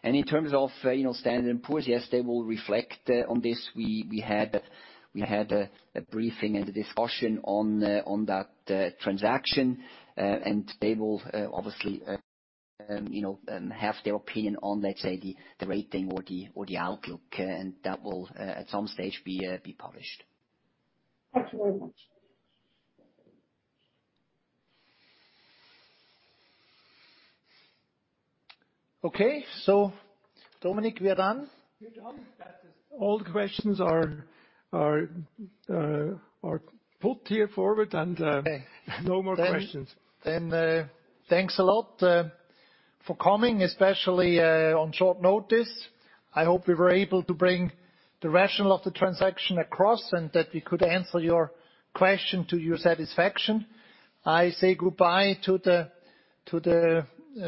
In terms of you know S&P Global Ratings, yes, they will reflect on this. We had a briefing and a discussion on that transaction. They will obviously you know have their opinion on, let's say, the rating or the outlook. That will at some stage be published. Thank you very much. Okay. Dominic, we are done? We're done. That is all the questions are put forward here. Okay. No more questions. Thanks a lot for coming, especially on short notice. I hope we were able to bring the rationale of the transaction across and that we could answer your question to your satisfaction. I say goodbye to the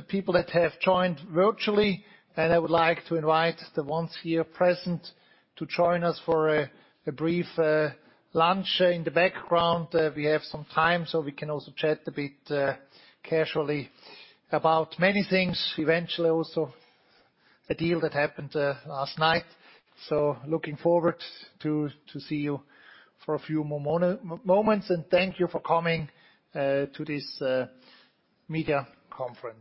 people that have joined virtually, and I would like to invite the ones here present to join us for a brief lunch in the background. We have some time, so we can also chat a bit casually about many things, eventually also the deal that happened last night. Looking forward to see you for a few more moments. Thank you for coming to this media conference.